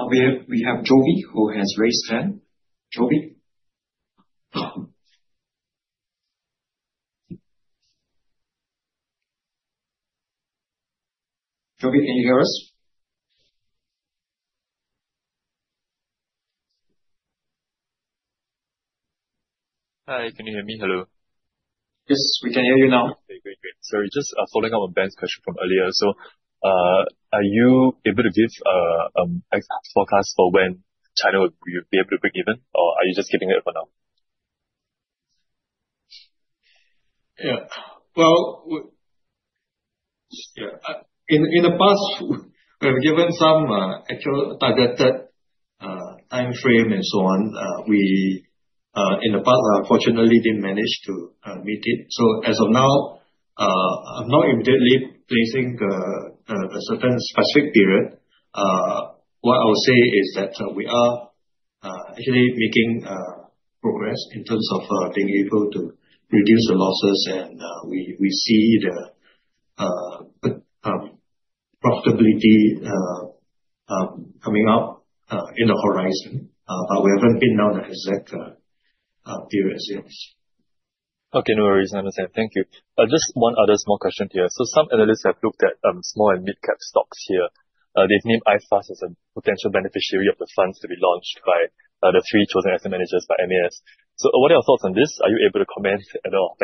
We have Jovi, who has raised 10. Jovi? Jogi, can you hear us? Hi. Can you hear me? Hello? Yes, we can hear you now. Okay, great, great. Sorry, just following up on Ben's question from earlier. So are you able to give forecast for when China would be able to breakeven or are you just giving it for now? Yes. Well, in the past, we have given some actual targeted time frame and so on. We, in the past, unfortunately, didn't manage to meet it. So as of now, I'm not immediately placing a certain specific period. What I would say is that we are actually making progress in terms of being able to reduce the losses, and we see the profitability coming up in the horizon, but we haven't been down the exact period sales. Okay. No worries. I understand. Just one other small question here. So some analysts have looked at small and mid cap stocks here. They've named iFAST as a potential beneficiary of the funds to be launched by the three chosen asset managers by MAS. So what are your thoughts on this? Are you able to comment at all?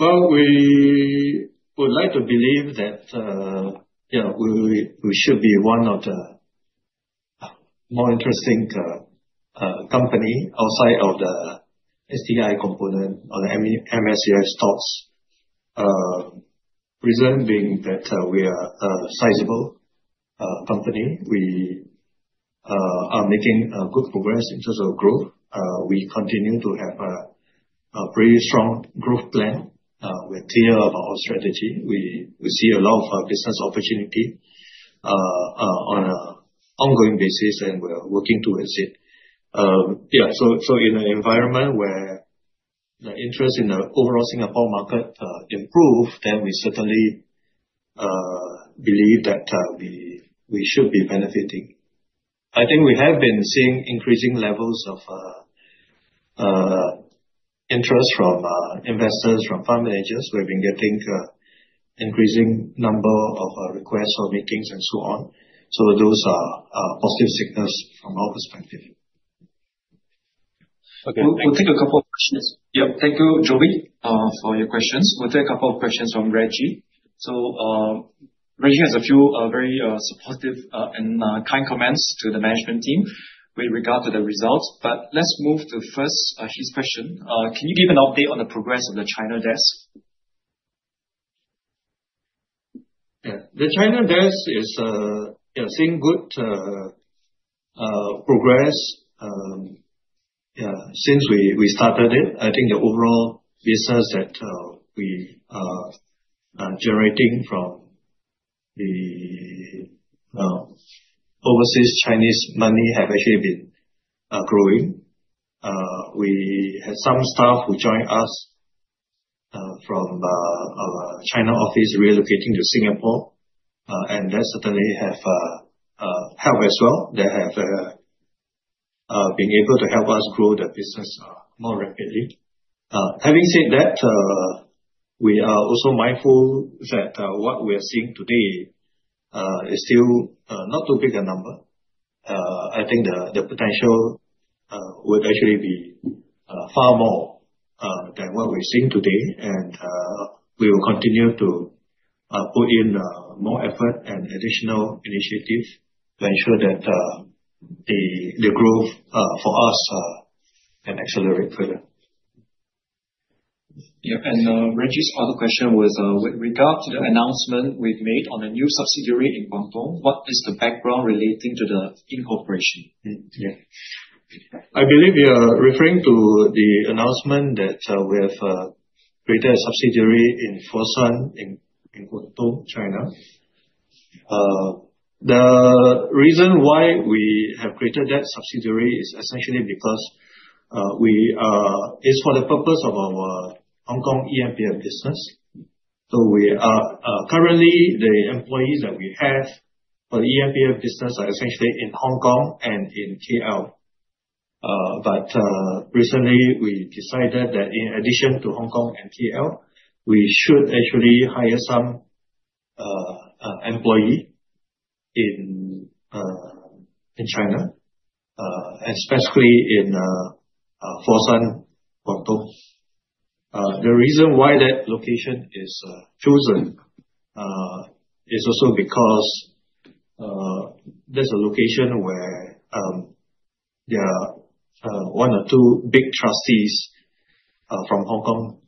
Well, we would like to believe that yeah, we we should be one of the more interesting company outside of the STI component or the m e MSCI stocks. Reason being that we are a sizable company. We are making good progress in terms of growth. We continue to have a pretty strong growth plan. We're clear of our strategy. We see a lot of business opportunity on an ongoing basis, and we're working towards it. Yes. So in an environment where the interest in the overall Singapore market improved, then we certainly believe that we should be benefiting. I think we have been seeing increasing levels of interest from investors, from fund managers. We've been getting increasing number of requests or meetings and so on. So those are positive signals from our perspective. We'll take a couple of questions. Yes. Thank you, Joey, for your questions. We'll take a couple of questions from Reggie. So Reggie has a few very supportive and kind comments to the management team with regard to the results. But let's move to first his question. Can you give an update on the progress of the China desk? Yes. The China desk is seeing good progress since we started it. I think the overall business that we are generating from overseas the Chinese money have actually been growing. We had some staff who joined us from China office relocating to Singapore, and that certainly have helped as well. They have been able to help us grow the business more rapidly. Having said that, we are also mindful that what we are seeing today is still not too big a number. I think the potential would actually be far more than what we're seeing today and we will continue to put in more effort and additional initiatives to ensure that the growth for us can accelerate further. Yes. And Reggie's other question was with regard to the announcement we've made on a new subsidiary in Guangdong, what is the background relating to the incorporation? I believe you are referring to the announcement that we have created a subsidiary in Fosun in Guangdong, China. The reason why we have created that subsidiary is essentially because we it's for the purpose of our Hong Kong e and p and business. So we are currently, the employees that we have for the e and p and business are essentially in Hong Kong and in KL. But recently, we decided that in addition to Hong Kong and and TL, we should actually hire some employee in China, especially in Forsan, Guangdong. The reason why that location is chosen is also because there's a location where there are one or two big trustees from Hong Kong.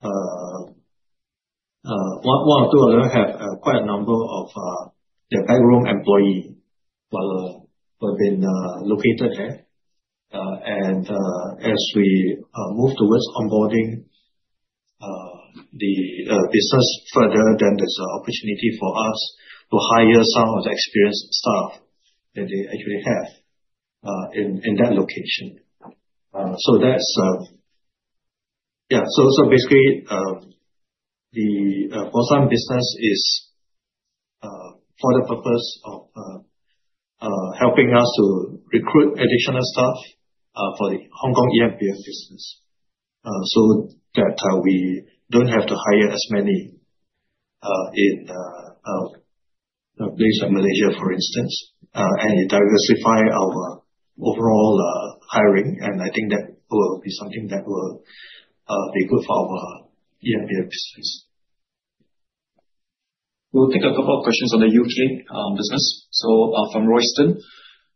One one or two have quite a number of their bedroom employee while who have been located there. And as we move towards onboarding the business further, then there's opportunity for us to hire some of the experienced staff that they actually have in in that location. So that's yeah. So so basically, the Forsyth business is for the purpose of helping us to recruit additional staff for the Hong Kong EMBF business so that we don't have to hire as many Malaysia, for instance, and diversify our overall hiring. And I think that will be something that will be good for our E and P business. We'll take a couple of questions on The U. K. Business. So from Royston.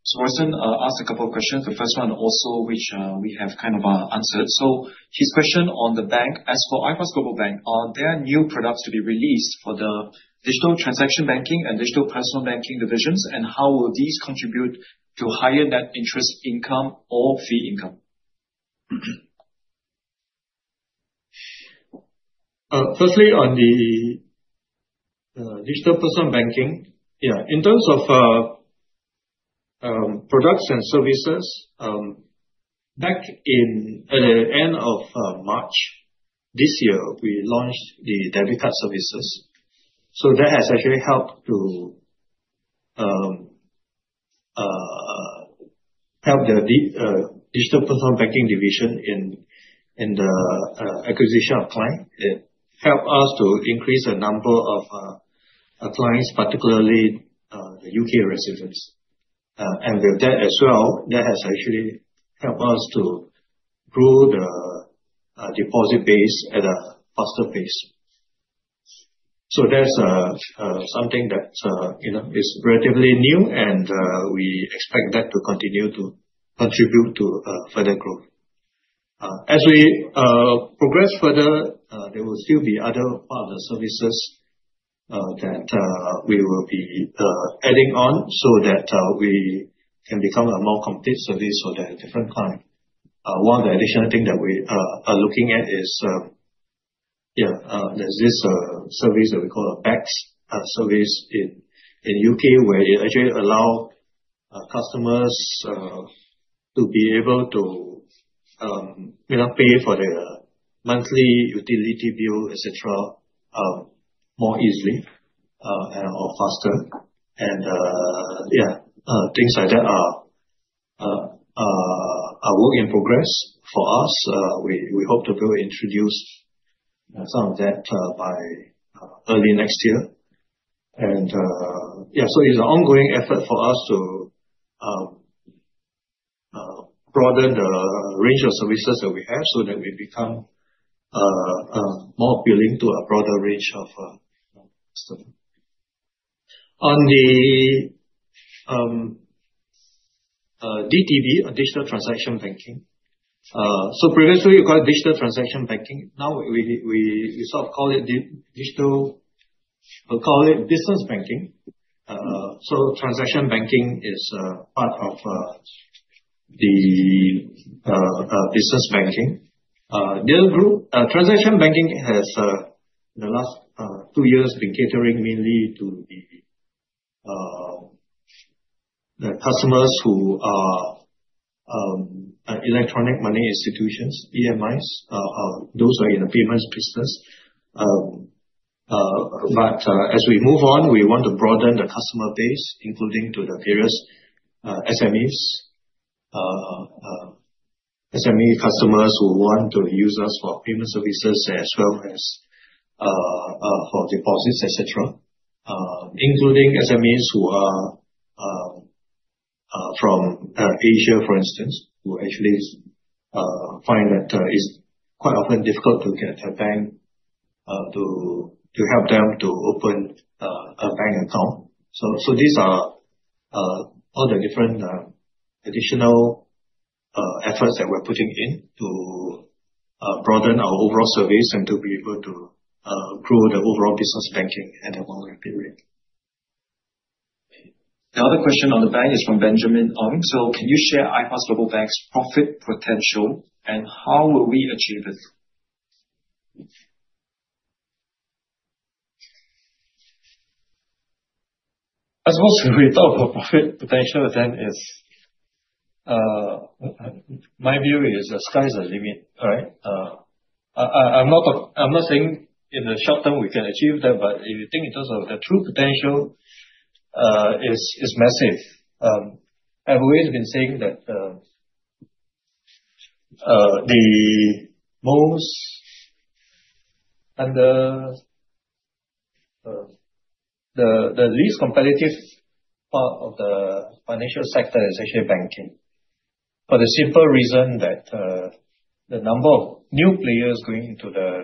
So Royston asked a couple of questions. The first one also which we have kind of answered. So his question on the bank, as for iPass Global Bank, are there new products to be released for the digital transaction banking and digital personal banking divisions? And how will these contribute to higher net interest income or fee income? Firstly, on the digital personal banking, yes, in terms of products and services, back in at the March, we launched the debit card services. So that has actually helped to help the digital personal banking division in the acquisition of client. It helped us to increase the number of clients, particularly The UK residents. And with that as well, that has actually helped us to grow the deposit base at a faster pace. So that's something that is relatively new and we expect that to continue to contribute to further growth. As we progress further, there will still be other partner services that we will be adding on so that we can become a more complete service for the different client. One additional thing that we are looking at is yeah. There's this service that we call a x service in in UK where it actually allow customers to be able to, you know, pay for their monthly utility bill, etcetera, more easily and or faster. And, yeah, things like that are work in progress for us. We we hope to be able to introduce some of that by early next year. And yeah. So it's an ongoing effort for us to broaden the range of services that we have so that we become more appealing to a broader range of. On the DTB, digital transaction banking. So previously, we got digital transaction banking. Now we we we sort of call it the digital call it business banking. So transaction banking is part of the business banking. Deal Group transaction banking has in the last two years been catering mainly to the customers who are electronic money institutions, EMIs. Those are in the payments business. But as we move on, we want to broaden the customer base, including to the various SMEs. SME customers who want to use us for payment services as well as for deposits, etcetera, including SMEs who are from Asia, for instance, who actually find that it's quite often difficult to get a bank to to help them to open bank account. So so these are all the different additional efforts that we're putting in to broaden our overall service and to be able to grow the overall business banking at a longer period. The other question on the bank is from Benjamin Ng. So can you share iPass Global Bank's profit potential and how will we achieve it? I suppose we thought about profit potential then is, my view is the sky's the limit, all right? I'm not I'm not saying in the short term, we can achieve that, but if you think in terms of the true potential, it's it's massive. I've always been saying that the most and the the least competitive part of the financial sector is actually banking for the simple reason that the number of new players going into the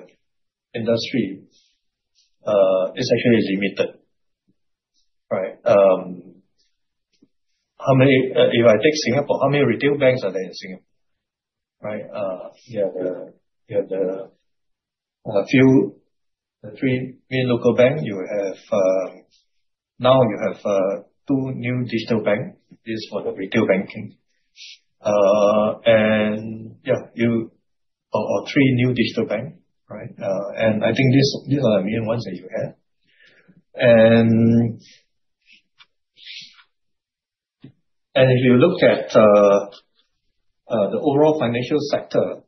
industry is actually limited. Right? How many if I take Singapore, how many retail banks are there in Singapore? Right? Yeah. The yeah. The a few the three main local bank, you have now you have two new digital bank. This is for the retail banking. And yeah. You or or three new digital bank. Right? And I think these these are the main ones that you have. And and if you look at the overall financial sector,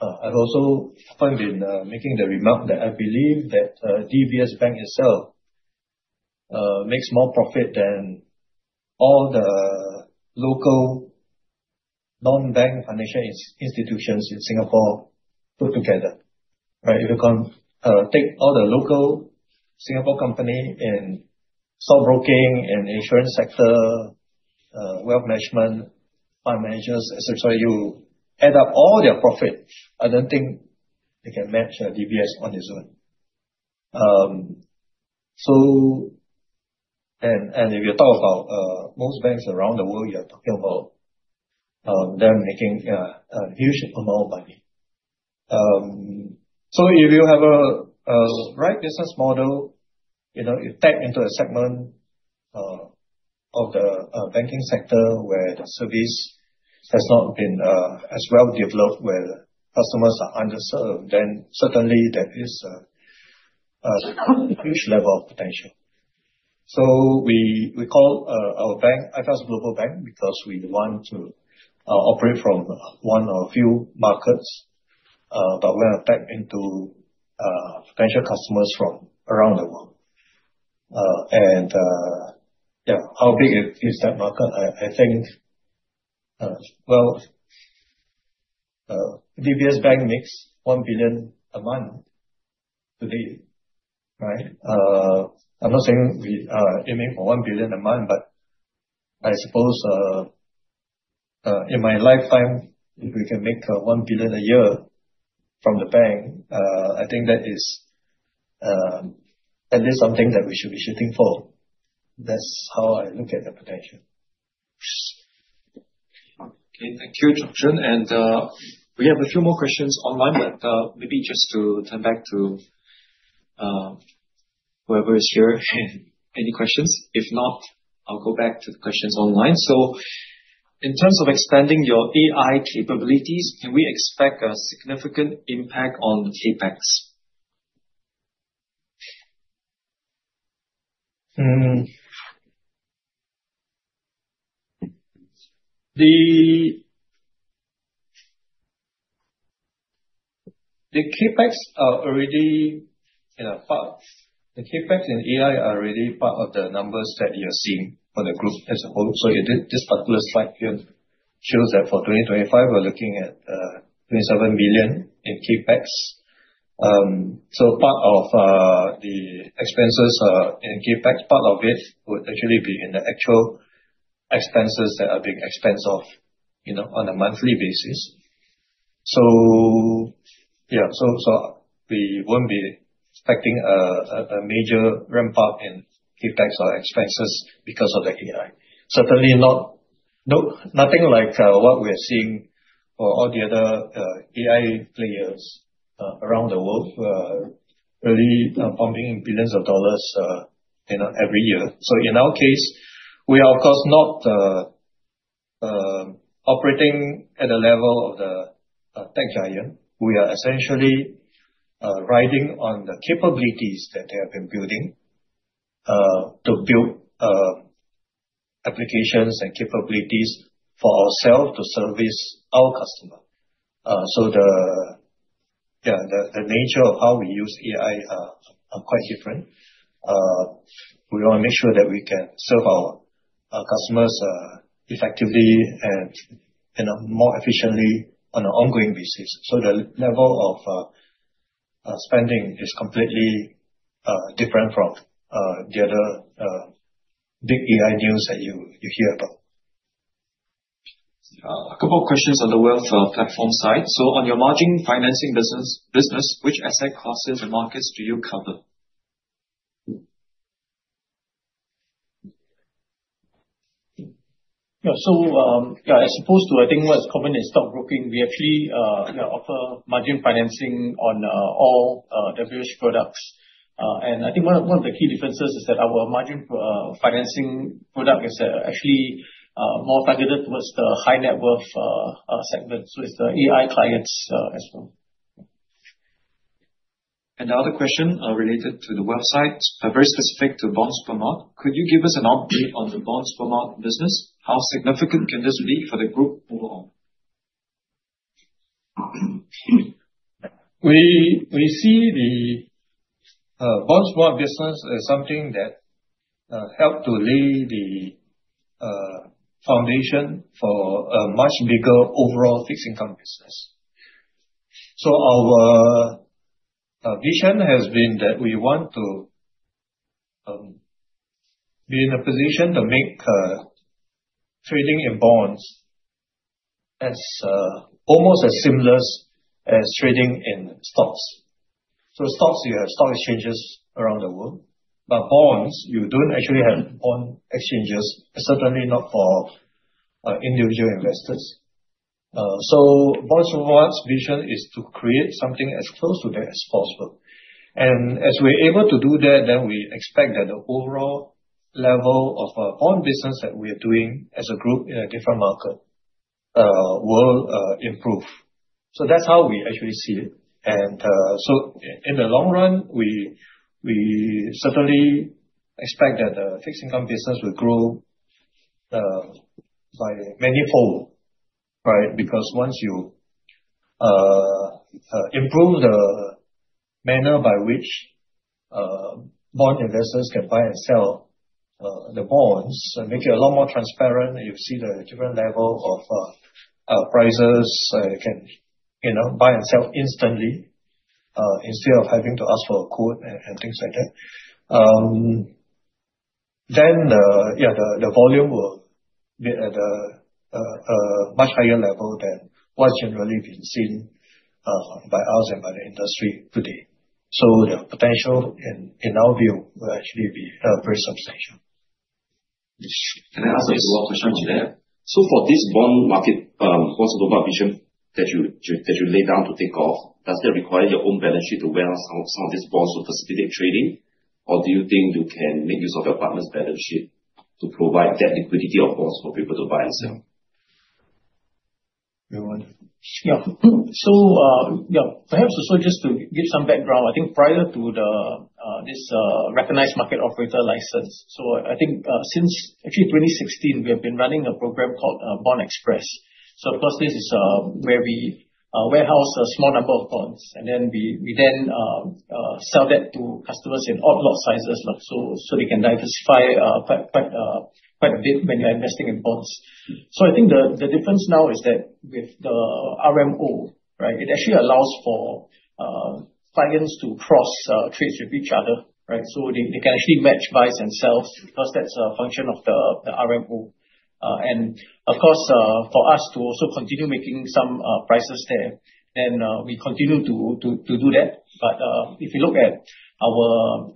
I've also been making the remark that I believe that DBS Bank itself makes more profit than all the local nonbank financial institutions in Singapore put together. Right? If you can take all the local Singapore company and stock broking and insurance sector, wealth management, fund managers, etcetera, you add up all their profit. I don't think they can match DBS on its own. So and and if you talk about most banks around the world, you are talking about them making a huge amount money. So So if you have a a right business model, you know, you tap into a segment of the banking sector where the service has not been as well developed where customers are underserved, then certainly, that is huge level of potential. So we we call our bank, I trust Global Bank, because we want to operate from one or few markets, but we're not back into potential customers from around the world. And, yeah, how big is that market? I I think well, DBS Bank makes 1,000,000,000 a month today. Right? I'm not saying we are aiming for 1,000,000,000 a month, but I suppose in my lifetime, if we can make 1,000,000,000 a year from the bank, I think that is that is something that we should be shooting for. That's how I look at the potential. Okay. Thank you, Chun. And we have a few more questions online, but maybe just to turn back to whoever is here. Any questions? If not, I'll go back to the questions online. So in terms of expanding your AI capabilities, can we expect a significant impact on CapEx? The CapEx are already in a box. The CapEx in AI are already part of the numbers that you're seeing for the group as a whole. So you did this particular slide shows that for 2025, we're looking at $7,000,000 in CapEx. So part of the expenses in CapEx, part of it would actually be in the actual expenses that are being expensed off on a monthly basis. So we won't be expecting a major ramp up in CapEx or expenses because of the AI. Certainly not no, nothing like what we are seeing or all the other AI players around the world, really pumping billions of dollars every year. So in our case, we are, of course, not operating at a level of the tech giant. We are essentially riding on the capabilities that they have been building to build applications and capabilities for ourselves to service our customer. So the, yeah, the the nature of how we use AI are quite different. We wanna make sure that we can serve our customers effectively and and more efficiently on an ongoing basis. So the level of spending is completely different from the other big AI deals that you hear about. A couple of questions on the wealth platform side. So on your margin financing business, which asset classes and markets do you cover? So as opposed to I think what's common is stockbroking, we actually offer margin financing on all WSH products. And I think one the key differences is that our margin financing product is actually more targeted towards the high net worth segment. So it's the AI clients as well. And the other question related to the website, very specific to bonds per month. Could you give us an update on the bonds per month business? How significant can this be for the group overall? We see the bonds more business as something that help to lay the foundation for a much bigger overall fixed income business. So our vision has been that we want to be in a position to make trading in bonds as almost as seamless as trading in stocks. So stocks, you have stock exchanges around the world. But bonds, you don't actually have bond exchanges, certainly not for individual investors. So Bonds Rewards vision is to create something as close to that as possible. And as we're able to do that, then we expect that the overall level of own business that we are doing as a group in a different market will improve. So that's how we actually see it. And so in the long run, we we certainly expect that the fixed income business will grow by many fold. Right? Because once you improve the manner by which bond investors can buy and sell the bonds and make it a lot more transparent. You see the different level of prices. You can, you know, buy and sell instantly instead of having to ask for a quote and and things like that. Then, yeah, the the volume will be at a much higher level than what's generally been seen by us and by the industry today. So the potential in our view will actually be very substantial. Can I ask a So question to for this bond market, first of all, that you laid down to take off, does that require your own balance sheet to balance out some of these bonds to facilitate trading? Or do you think you can make use of your partner's balance sheet to provide that liquidity of course for people to buy and sell? So perhaps also just to give some background, I think prior to this recognized market operator license, so I think since actually 2016, we have been running a program called Bond Express. So of course this is where we warehouse a small number of bonds and then we then sell that to customers in odd lot sizes so they can diversify when you're investing in bonds. So I think the difference now is that with the RMO, it actually allows for finance to cross trades with each other. So they can actually match buys and sells because that's a function of the RMO. And of course for us to also continue making some prices there then we continue to do that. But if you look at our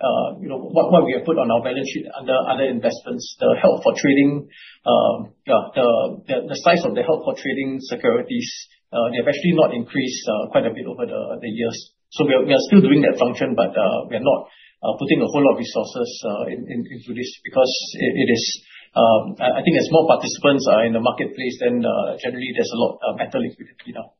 what we have put on our balance sheet under other investments the health for trading the size of the health for trading securities they have actually not increased quite a bit over the years. So we are still doing that function but we are not putting a whole lot of resources into this because it is I think as more participants are in the marketplace then generally there's a lot of metal if we can see now.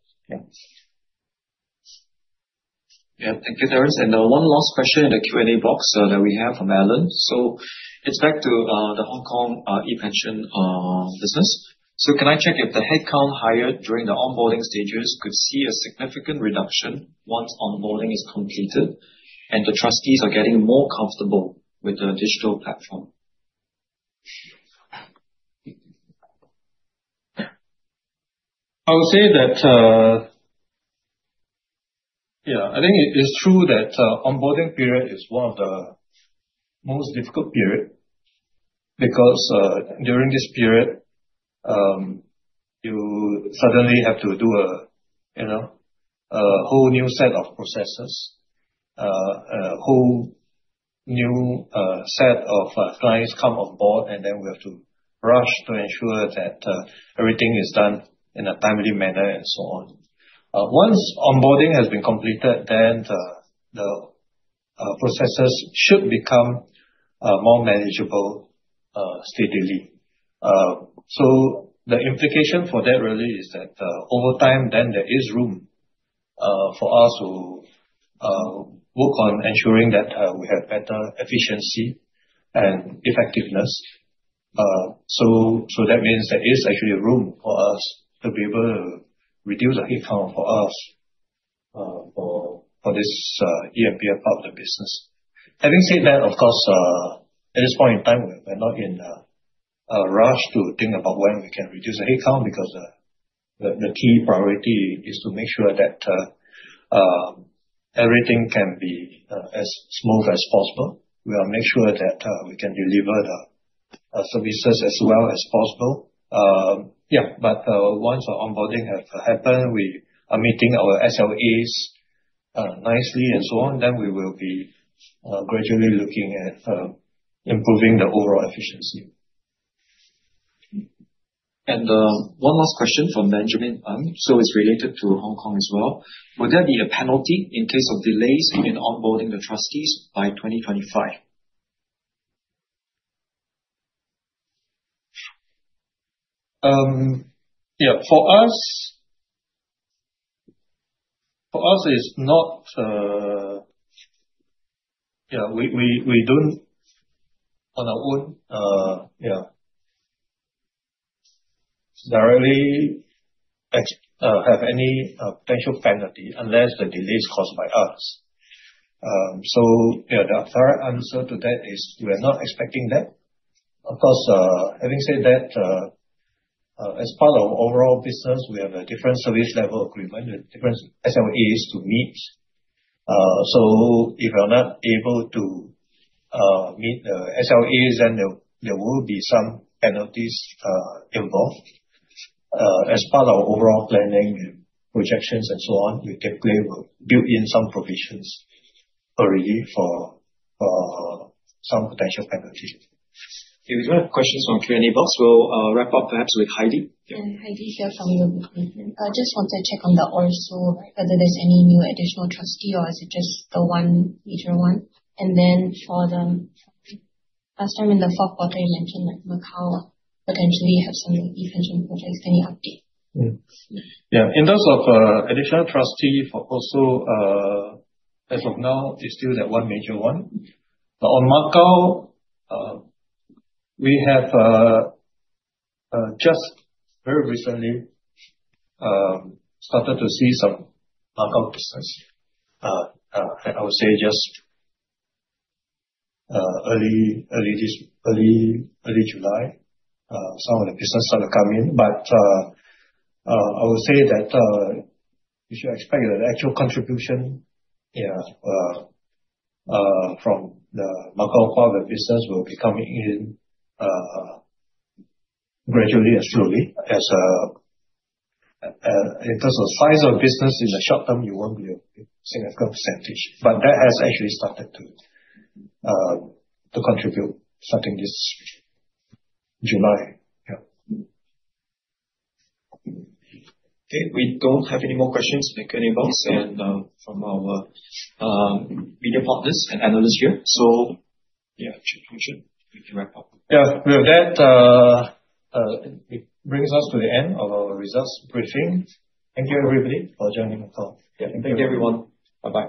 Yes. Thank you, Terence. And one last question in the Q and A box that we have from Alan. So it's back to the Hong Kong ePension business. So can I check if the headcount hired during the onboarding stages could see a significant reduction once onboarding is completed and the trustees are getting more comfortable with the digital platform? I would say that yeah. I think it is true that onboarding period is one of the most difficult period because during this period, you suddenly have to do a, you know, a whole new set of processes, a whole new set of clients come on board, and then we have to rush to ensure that everything is done in a timely manner and so on. Once onboarding has been completed, then the processes should become more manageable steadily. So the implication for that really is that over time then there is room for us to work on ensuring that we have better efficiency and effectiveness. So so that means there is actually room for us to be able to reduce our headcount for us for for this E and P part of the business. Having said that, of course, at this point in time, we're not in a rush to think about when we can reduce the headcount because the the key priority is to make sure that everything can be as smooth as possible. We'll make sure that we can deliver the services as well as possible. Yeah. But once our onboarding have happened, we are meeting our SLAs nicely and so on, then we will be gradually looking at improving the overall efficiency. And one last question from Benjamin Ng. So it's related to Hong Kong as well. Would there be a penalty in case of delays in onboarding the trustees by 2025? Yes. For for us, us, it's not yeah. We we we don't on our own, yeah, directly have any potential penalty unless the delay is caused by us. So, yeah, the answer to that is we are not expecting that. Of course, having said that, as part of overall business, we have a different service level agreement, different SLAs to meet. So if you're not able to meet SLAs, then there there will be some penalties involved. As part of our overall planning projections and so on, we can claim or build in some provisions already for some potential penalties. If you have questions from Q and A box, we'll wrap up perhaps with Heidi. And Heidi here from your. I just want to check on the also, whether there's any new additional trustee or is it just the one major one? And then for the last time in the fourth quarter, mentioned that Macau potentially have something you can change any update. Yeah. In terms of additional trustee for also, as of now, it's still that one major one. On Macau, we have just very recently started to see some business. And I would say just early early this early early July, some of the business start to come in. But I will say that you should expect that actual contribution, yeah, from the but for the business will be coming in gradually and slowly as a in terms of size of business in the short term, you won't be able to see a good percentage. But that has actually started to contribute starting this July. Okay. We don't have any more questions from our media partners and analysts here. Yes, we should wrap up. Yes. With that, it brings us to the end of our results briefing. Thank you, everybody, for joining the call. Yes. Thank you, everyone. Bye bye.